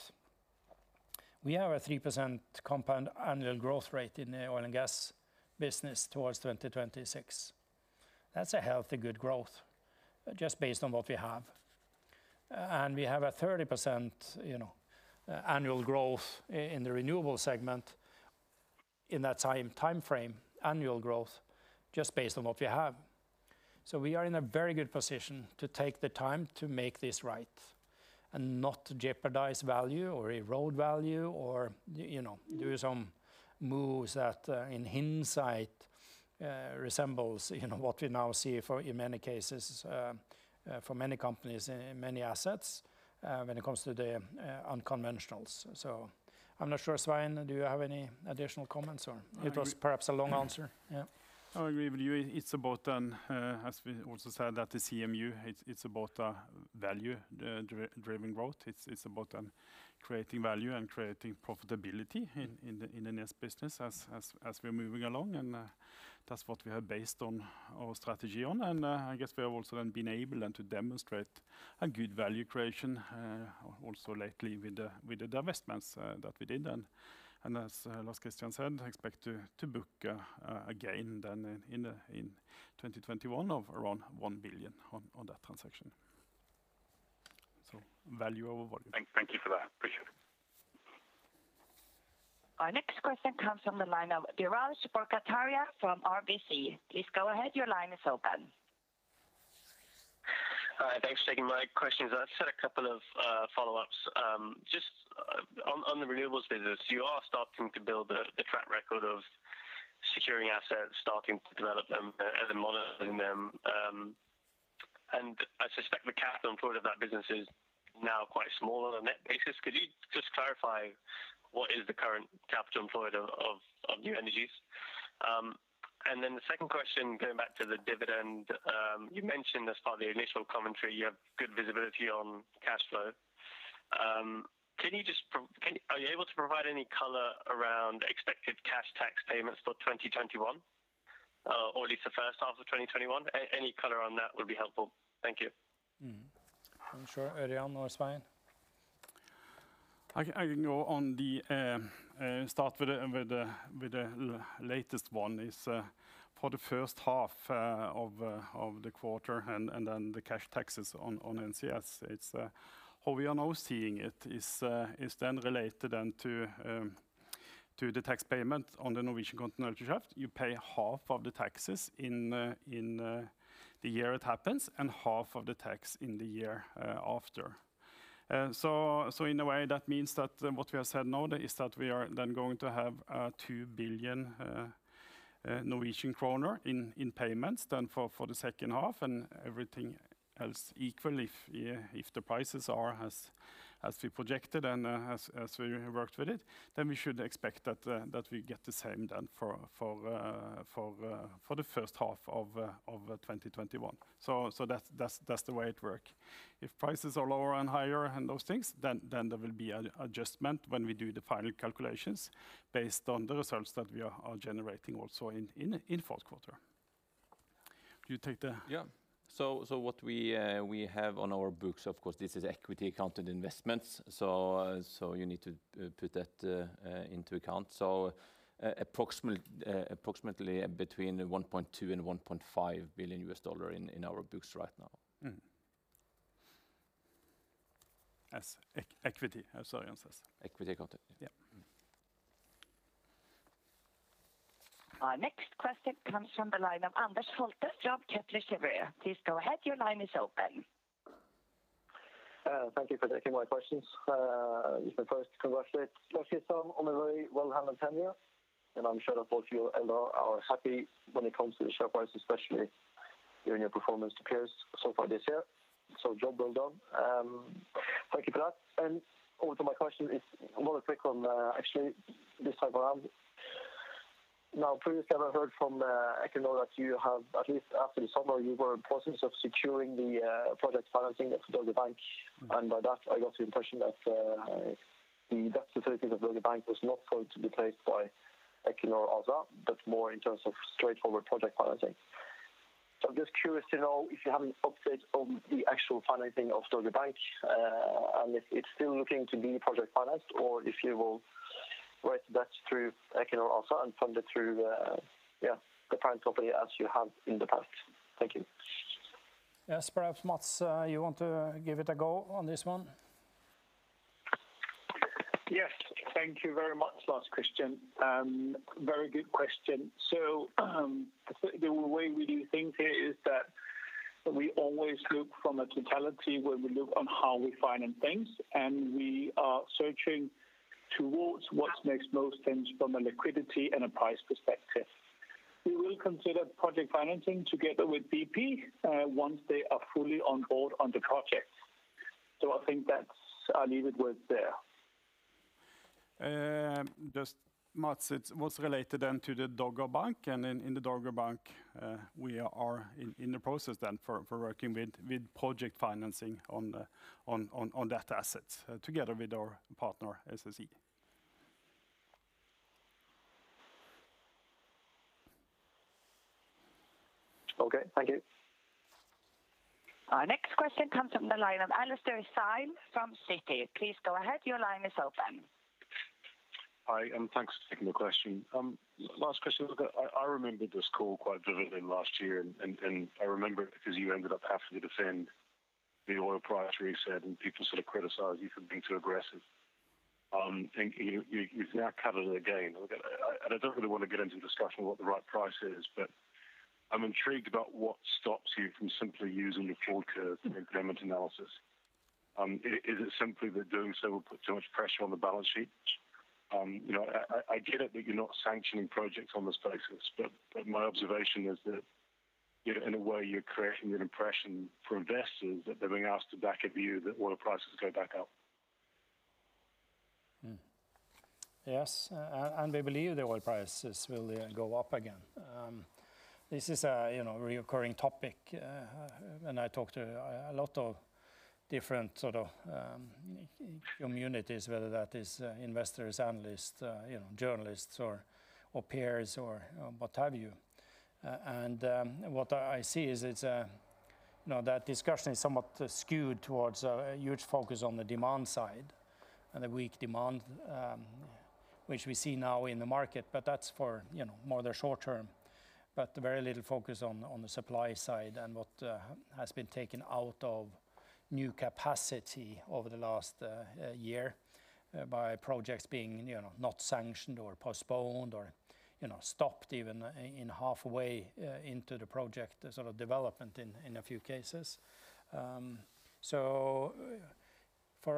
Speaker 2: we have a 3% compound annual growth rate in the oil and gas business towards 2026. That's a healthy, good growth just based on what we have. We have a 30% annual growth in the renewable segment in that timeframe, annual growth, just based on what we have. We are in a very good position to take the time to make this right and not jeopardize value or erode value or do some moves that, in hindsight, resembles what we now see in many cases for many companies in many assets when it comes to the unconventionals. I'm not sure, Svein, do you have any additional comments, or it was perhaps a long answer? Yeah.
Speaker 9: I agree with you. It's about, as we also said at the CMU, it's about value-driven growth. It's about creating value and creating profitability in the next business as we're moving along. That's what we have based our strategy on. I guess we have also then been able then to demonstrate a good value creation also lately with the divestments that we did then. As Lars Christian said, expect to book again then in 2021 of around $1 billion on that transaction. Value over volume.
Speaker 12: Thank you for that. Appreciate it.
Speaker 3: Our next question comes from the line of Biraj Borkhataria from RBC. Please go ahead. Your line is open.
Speaker 13: Hi, thanks for taking my questions. I just had a couple of follow-ups. Just on the renewables business, you are starting to build a track record of securing assets, starting to develop them and then modeling them. I suspect the capital employed of that business is now quite small on a net basis. Could you just clarify what is the current capital employed of New Energies? The second question, going back to the dividend, you mentioned as part of your initial commentary, you have good visibility on cash flow. Are you able to provide any color around expected cash tax payments for 2021, or at least the first half of 2021? Any color on that would be helpful. Thank you.
Speaker 2: Sure, Ørjan or Svein?
Speaker 9: I can start with the latest one, is for the first half of the quarter, and then the cash taxes on NCS. How we are now seeing it is then related then to the tax payment on the Norwegian Continental Shelf, you pay half of the taxes in the year it happens and half of the tax in the year after. In a way, that means that what we have said now is that we are then going to have 2 billion Norwegian kroner in payments then for the second half and everything else equal if the prices are as we projected and as we worked with it, then we should expect that we get the same then for the first half of 2021. That's the way it work. If prices are lower and higher and those things, then there will be an adjustment when we do the final calculations based on the results that we are generating also in fourth quarter.
Speaker 7: Yeah. What we have on our books, of course, this is equity accounted investments, so you need to put that into account. Approximately between $1.2 and $1.5 billion in our books right now.
Speaker 9: Mm-hmm. As equity, sorry, answers.
Speaker 7: Equity accounted.
Speaker 9: Yeah.
Speaker 3: Our next question comes from the line of Anders Holte from Kepler Cheuvreux. Please go ahead. Your line is open.
Speaker 14: Congratulate Equinor on a very well handled tenure, and I'm sure that both you and I are happy when it comes to the share price, especially your annual performance to peers so far this year. Job well done. Thank you for that. My question is more quick on actually this time around. Previously I heard from Equinor that you have, at least after the summer, you were in process of securing the project financing at Dogger Bank. By that, I got the impression that the debt facilities of Dogger Bank was not going to be placed by Equinor ASA, but more in terms of straightforward project financing. I'm just curious to know if you have an update on the actual financing of Dogger Bank, and if it's still looking to be project financed or if you will write that through Equinor also and fund it through the parent company as you have in the past. Thank you.
Speaker 9: Yes. Perhaps, Mads, you want to give it a go on this one?
Speaker 15: Yes. Thank you very much, Lars Christian. Very good question. The way we do things here is that we always look from a totality where we look on how we finance things, and we are searching towards what makes most sense from a liquidity and a price perspective. We will consider project financing together with BP once they are fully on board on the project. I think I'll leave it with there.
Speaker 9: Just, Mads, it was related then to the Dogger Bank, and in the Dogger Bank, we are in the process then for working with project financing on that asset together with our partner, SSE.
Speaker 14: Okay, thank you.
Speaker 3: Our next question comes from the line of Alastair Syme from Citi. Please go ahead. Your line is open.
Speaker 16: Hi, and thanks for taking the question. Lars Christian, I remember this call quite vividly last year, I remember it because you ended up having to defend the oil price where you said, and people sort of criticized you for being too aggressive. You've now covered it again. I don't really want to get into a discussion on what the right price is, but I'm intrigued about what stops you from simply using the forward curve in your demand analysis. Is it simply that doing so would put too much pressure on the balance sheets? I get it that you're not sanctioning projects on this basis, but my observation is that in a way, you're creating an impression for investors that they're being asked to back a view that oil prices go back up.
Speaker 2: Yes, we believe the oil prices will go up again. This is a recurring topic when I talk to a lot of different sort of communities, whether that is investors, analysts, journalists or peers or what have you. What I see is that discussion is somewhat skewed towards a huge focus on the demand side and the weak demand, which we see now in the market, but that's for more the short term, but very little focus on the supply side and what has been taken out of new capacity over the last year by projects being not sanctioned or postponed or stopped even in halfway into the project sort of development in a few cases. For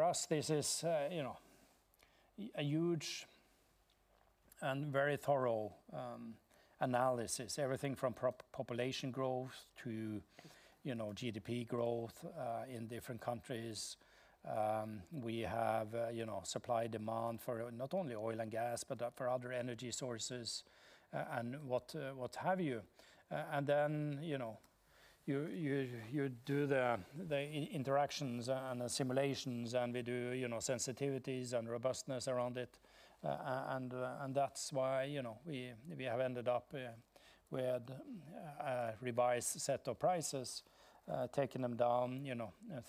Speaker 2: us, this is a huge and very thorough analysis, everything from population growth to GDP growth in different countries. We have supply-demand for not only oil and gas, but for other energy sources and what have you. You do the interactions and the simulations, and we do sensitivities and robustness around it, and that's why we have ended up with a revised set of prices, taking them down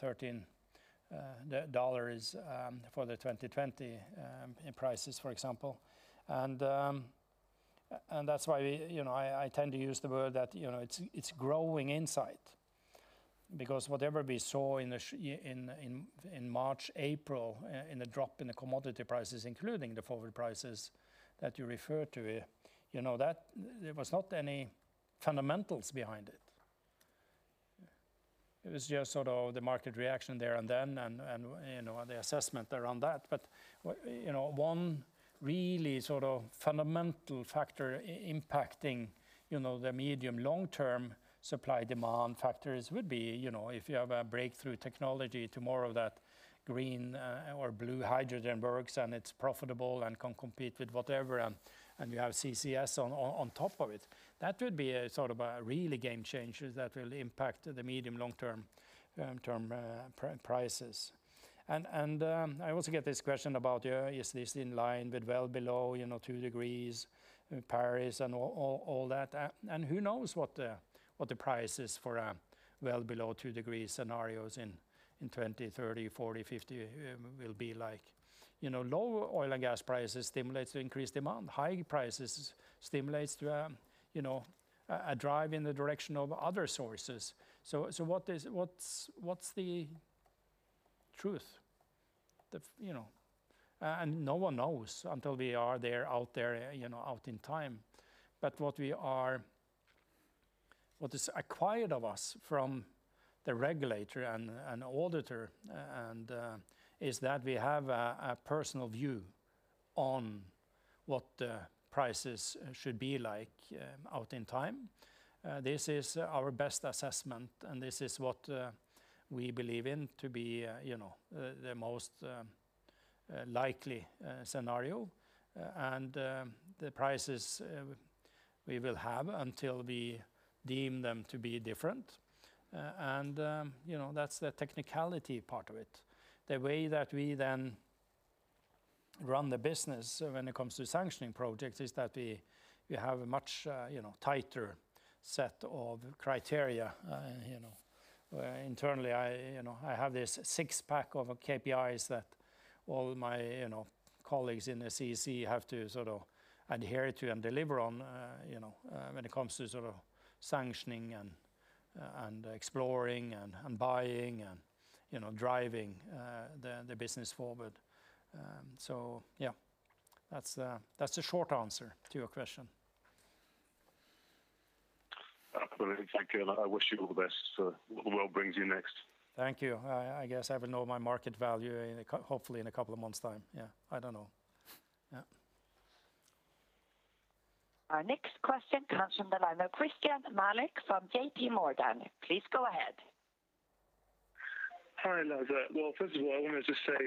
Speaker 2: $13 for the 2020 prices, for example. That's why I tend to use the word that it's growing insight. Whatever we saw in March, April in the drop in the commodity prices, including the forward prices that you referred to, there was not any fundamentals behind it. It was just the market reaction there and then and the assessment around that. One really fundamental factor impacting the medium, long-term supply-demand factors would be if you have a breakthrough technology tomorrow that green or blue hydrogen works and it's profitable and can compete with whatever, and you have CCS on top of it. That would be a really game changer that will impact the medium, long-term prices. I also get this question about, is this in line with well below 2 degrees, Paris, and all that. Who knows what the price is for a well below 2 degrees scenarios in 2030, 2040, 2050 will be like. Lower oil and gas prices stimulates increased demand. High prices stimulates a drive in the direction of other sources. What's the truth? No one knows until we are out there out in time. What is acquired of us from the regulator and auditor is that we have a personal view on what the prices should be like out in time. This is our best assessment, and this is what we believe in to be the most likely scenario and the prices we will have until we deem them to be different. That's the technicality part of it. The way that we then run the business when it comes to sanctioning projects is that we have a much tighter set of criteria. Internally, I have this six-pack of KPIs that all my colleagues in the CEC have to adhere to and deliver on when it comes to sanctioning and exploring and buying and driving the business forward. Yeah, that's the short answer to your question.
Speaker 16: Absolutely. Thank you. I wish you all the best, what the world brings you next.
Speaker 2: Thank you. I guess I will know my market value hopefully in a couple of months' time. Yeah, I don't know. Yeah.
Speaker 3: Our next question comes from the line of Christyan Malek from JPMorgan. Please go ahead.
Speaker 17: Hi, Lars. First of all, I wanted to say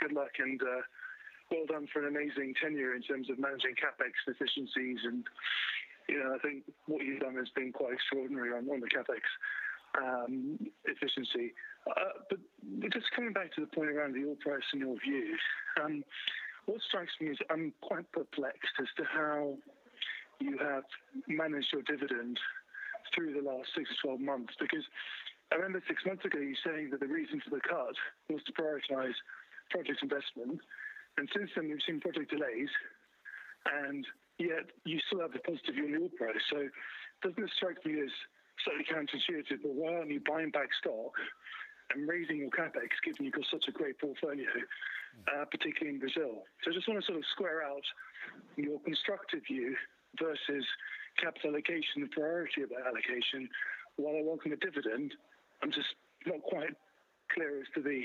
Speaker 17: good luck and well done for an amazing tenure in terms of managing CapEx efficiencies and I think what you've done has been quite extraordinary on the CapEx efficiency. Just coming back to the point around the oil price and your views, what strikes me is I'm quite perplexed as to how you have managed your dividend through the last 6-12 months, because I remember 6 months ago you saying that the reason for the cut was to prioritize project investment, and since then we've seen project delays, and yet you still have the positive view on the oil price. It doesn't strike me as slightly counterintuitive, why aren't you buying back stock and raising your CapEx given you've got such a great portfolio, particularly in Brazil? I just want to sort of square out your constructive view versus capital allocation, the priority of that allocation, while welcoming the dividend. I'm just not quite clear as to the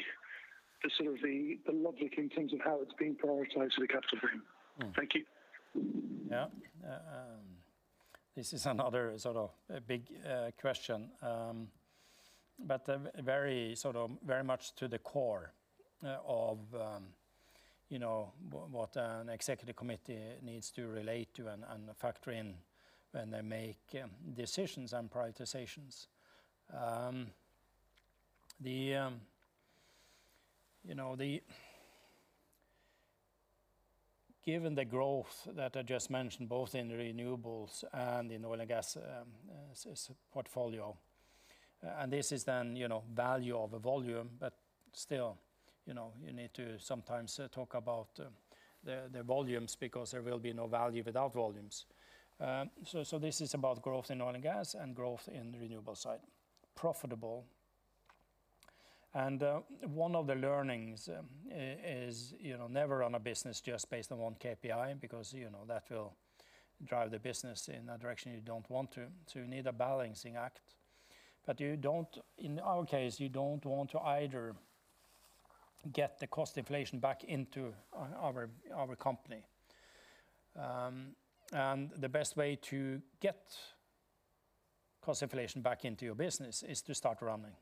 Speaker 17: logic in terms of how it's being prioritized for the capital frame. Thank you.
Speaker 2: Yeah. This is another sort of big question. Very much to the core of what an executive committee needs to relate to and factor in when they make decisions and prioritizations. Given the growth that I just mentioned, both in renewables and in oil and gas portfolio, and this is then value over volume, but still you need to sometimes talk about the volumes because there will be no value without volumes. This is about growth in oil and gas and growth in the renewable side, profitable. One of the learnings is never run a business just based on one KPI, because that will drive the business in a direction you don't want to, so you need a balancing act. In our case, you don't want to either get the cost inflation back into our company. The best way to get cost inflation back into your business is to start running.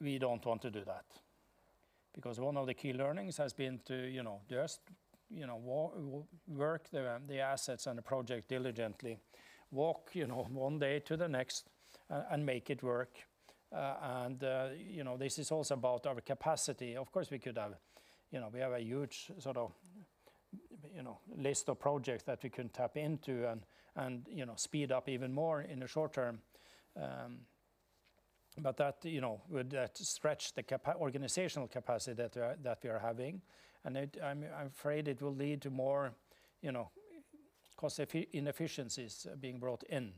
Speaker 2: We don't want to do that because one of the key learnings has been to just work the assets and the project diligently, walk one day to the next and make it work. This is also about our capacity. Of course, we have a huge list of projects that we can tap into and speed up even more in the short term. That would stretch the organizational capacity that we are having, and I'm afraid it will lead to more cost inefficiencies being brought in.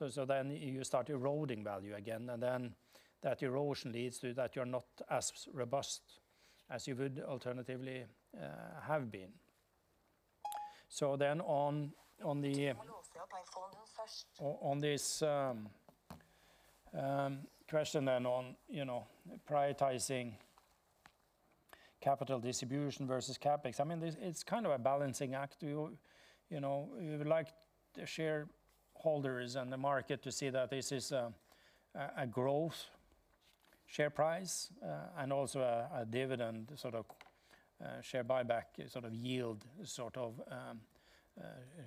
Speaker 2: You start eroding value again, and then that erosion leads to that you're not as robust as you would alternatively have been. On this question then on prioritizing capital distribution versus CapEx, it's kind of a balancing act. We would like the shareholders and the market to see that this is a growth share price and also a dividend share buyback yield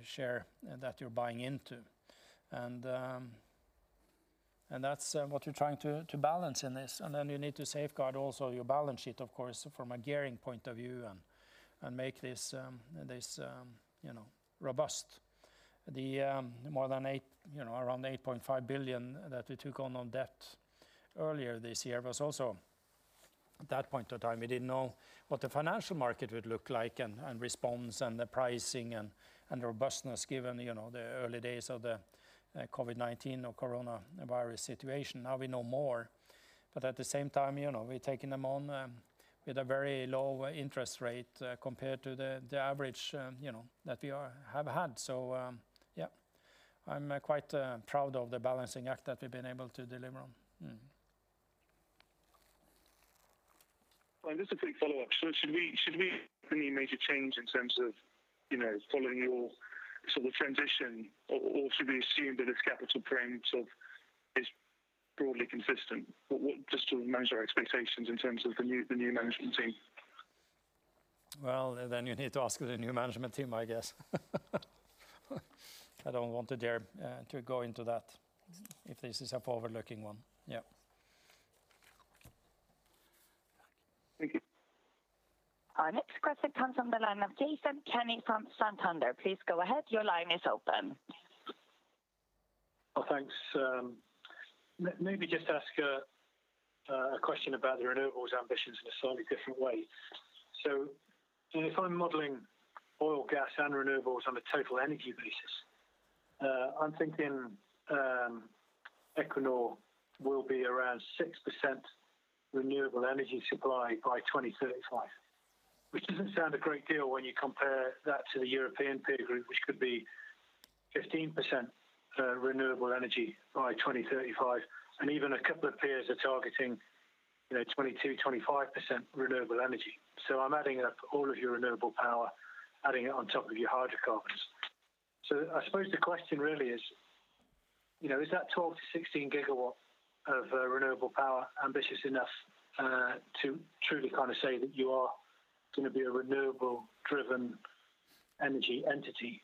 Speaker 2: share that you're buying into. That's what you're trying to balance in this. Then you need to safeguard also your balance sheet, of course, from a gearing point of view and make this robust. The more than around $8.5 billion that we took on on debt earlier this year was also at that point of time, we didn't know what the financial market would look like and response and the pricing and robustness given the early days of the COVID-19 or coronavirus situation. Now we know more, but at the same time, we're taking them on with a very low interest rate compared to the average that we have had. Yeah, I'm quite proud of the balancing act that we've been able to deliver on.
Speaker 17: Just a quick follow-up. Should we make a change in terms of following your transition, or should we assume that its capital frame is broadly consistent? Just to manage our expectations in terms of the new management team.
Speaker 2: You need to ask the new management team, I guess. I don't want to dare to go into that if this is a forward-looking one. Yeah.
Speaker 17: Thank you.
Speaker 3: Our next question comes from the line of Jason Kenney from Santander. Please go ahead. Your line is open.
Speaker 18: Oh, thanks. Maybe just ask a question about the renewables ambitions in a slightly different way. If I'm modeling oil, gas, and renewables on a total energy basis, I'm thinking Equinor will be around 6% renewable energy supply by 2035, which doesn't sound a great deal when you compare that to the European peer group, which could be 15% renewable energy by 2035. Even a couple of peers are targeting 22%, 25% renewable energy. I'm adding up all of your renewable power, adding it on top of your hydrocarbons. I suppose the question really is that 12 GW-16 GW of renewable power ambitious enough to truly say that you are going to be a renewable-driven energy entity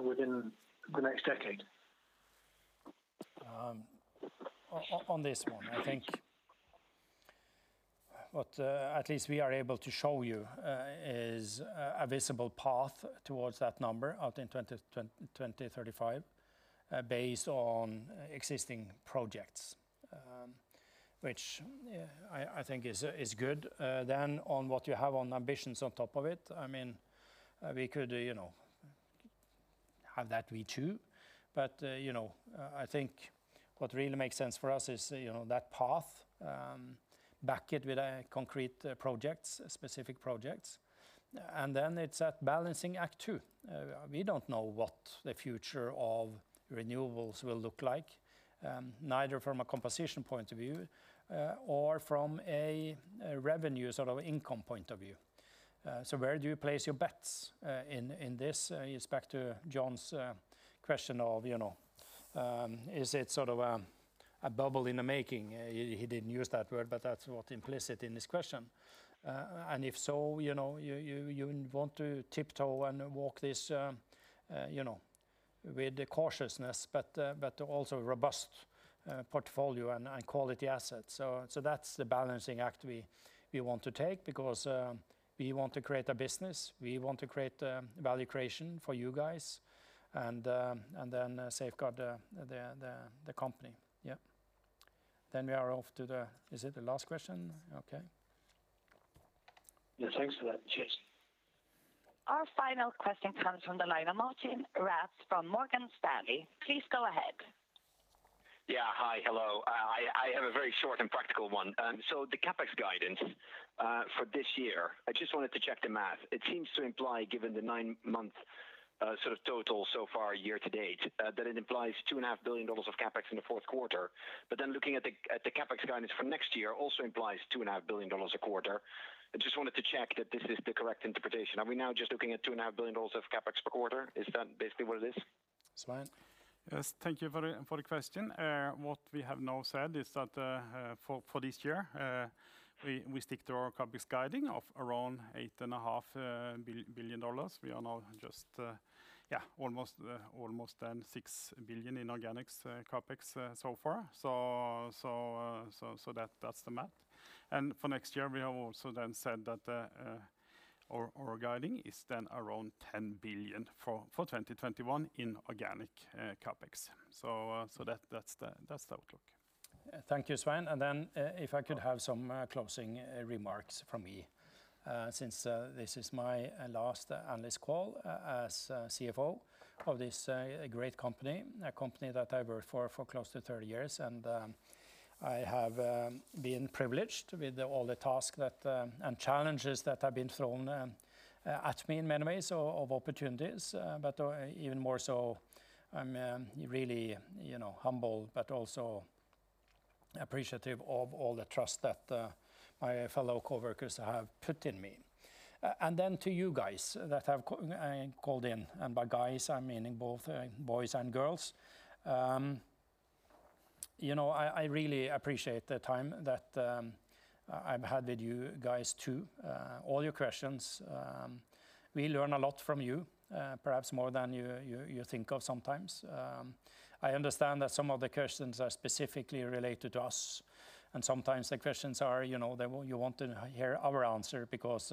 Speaker 18: within the next decade?
Speaker 2: On this one, I think what at least we are able to show you is a visible path towards that number out in 2035, based on existing projects, which I think is good. On what you have on ambitions on top of it, we could have that view, too. I think what really makes sense for us is that path, back it with concrete projects, specific projects, and then it's that balancing act, too. We don't know what the future of renewables will look like, neither from a composition point of view or from a revenue income point of view. Where do you place your bets in this? It's back to Jon's question of, is it a bubble in the making? He didn't use that word, but that's what implicit in his question. If so, you want to tiptoe and walk this with cautiousness, but also robust portfolio and quality assets. That's the balancing act we want to take because we want to create a business, we want to create value creation for you guys, and then safeguard the company. Yep. We are off to the Is it the last question? Okay.
Speaker 18: Yeah. Thanks for that. Cheers.
Speaker 3: Our final question comes from the line of Martijn Rats from Morgan Stanley. Please go ahead.
Speaker 19: Yeah. Hi. Hello. I have a very short and practical one. The CapEx guidance for this year, I just wanted to check the math. It seems to imply, given the nine-month total so far year-to-date, that it implies $2.5 billion of CapEx in the fourth quarter. Looking at the CapEx guidance for next year also implies $2.5 billion a quarter. I just wanted to check that this is the correct interpretation. Are we now just looking at $2.5 billion of CapEx per quarter? Is that basically what it is?
Speaker 2: Svein?
Speaker 9: Yes. Thank you for the question. What we have now said is that for this year, we stick to our CapEx guiding of around $8.5 billion. We are now just almost $6 billion in organic CapEx so far. That's the math. For next year, we have also then said that our guiding is then around $10 billion for 2021 in organic CapEx. That's the outlook.
Speaker 2: Thank you, Svein. If I could have some closing remarks from me, since this is my last analyst call as CFO of this great company, a company that I've worked for close to 30 years. I have been privileged with all the tasks and challenges that have been thrown at me in many ways, of opportunities. Even more so, I'm really humble, but also appreciative of all the trust that my fellow coworkers have put in me. To you guys that have called in, and by guys, I'm meaning both boys and girls. I really appreciate the time that I've had with you guys, too. All your questions, we learn a lot from you, perhaps more than you think of sometimes. I understand that some of the questions are specifically related to us, and sometimes the questions are, you want to hear our answer because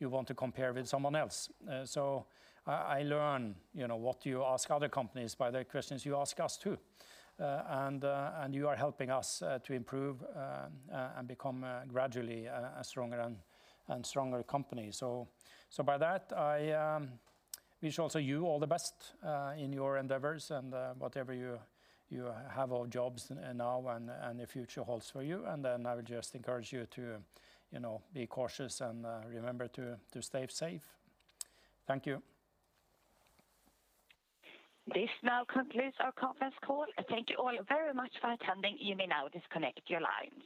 Speaker 2: you want to compare with someone else. I learn what you ask other companies by the questions you ask us, too. You are helping us to improve and become gradually a stronger and stronger company. By that, I wish also you all the best in your endeavors and whatever you have of jobs now and the future holds for you. Then I would just encourage you to be cautious and remember to stay safe. Thank you.
Speaker 3: This now concludes our conference call. Thank you all very much for attending. You may now disconnect your lines.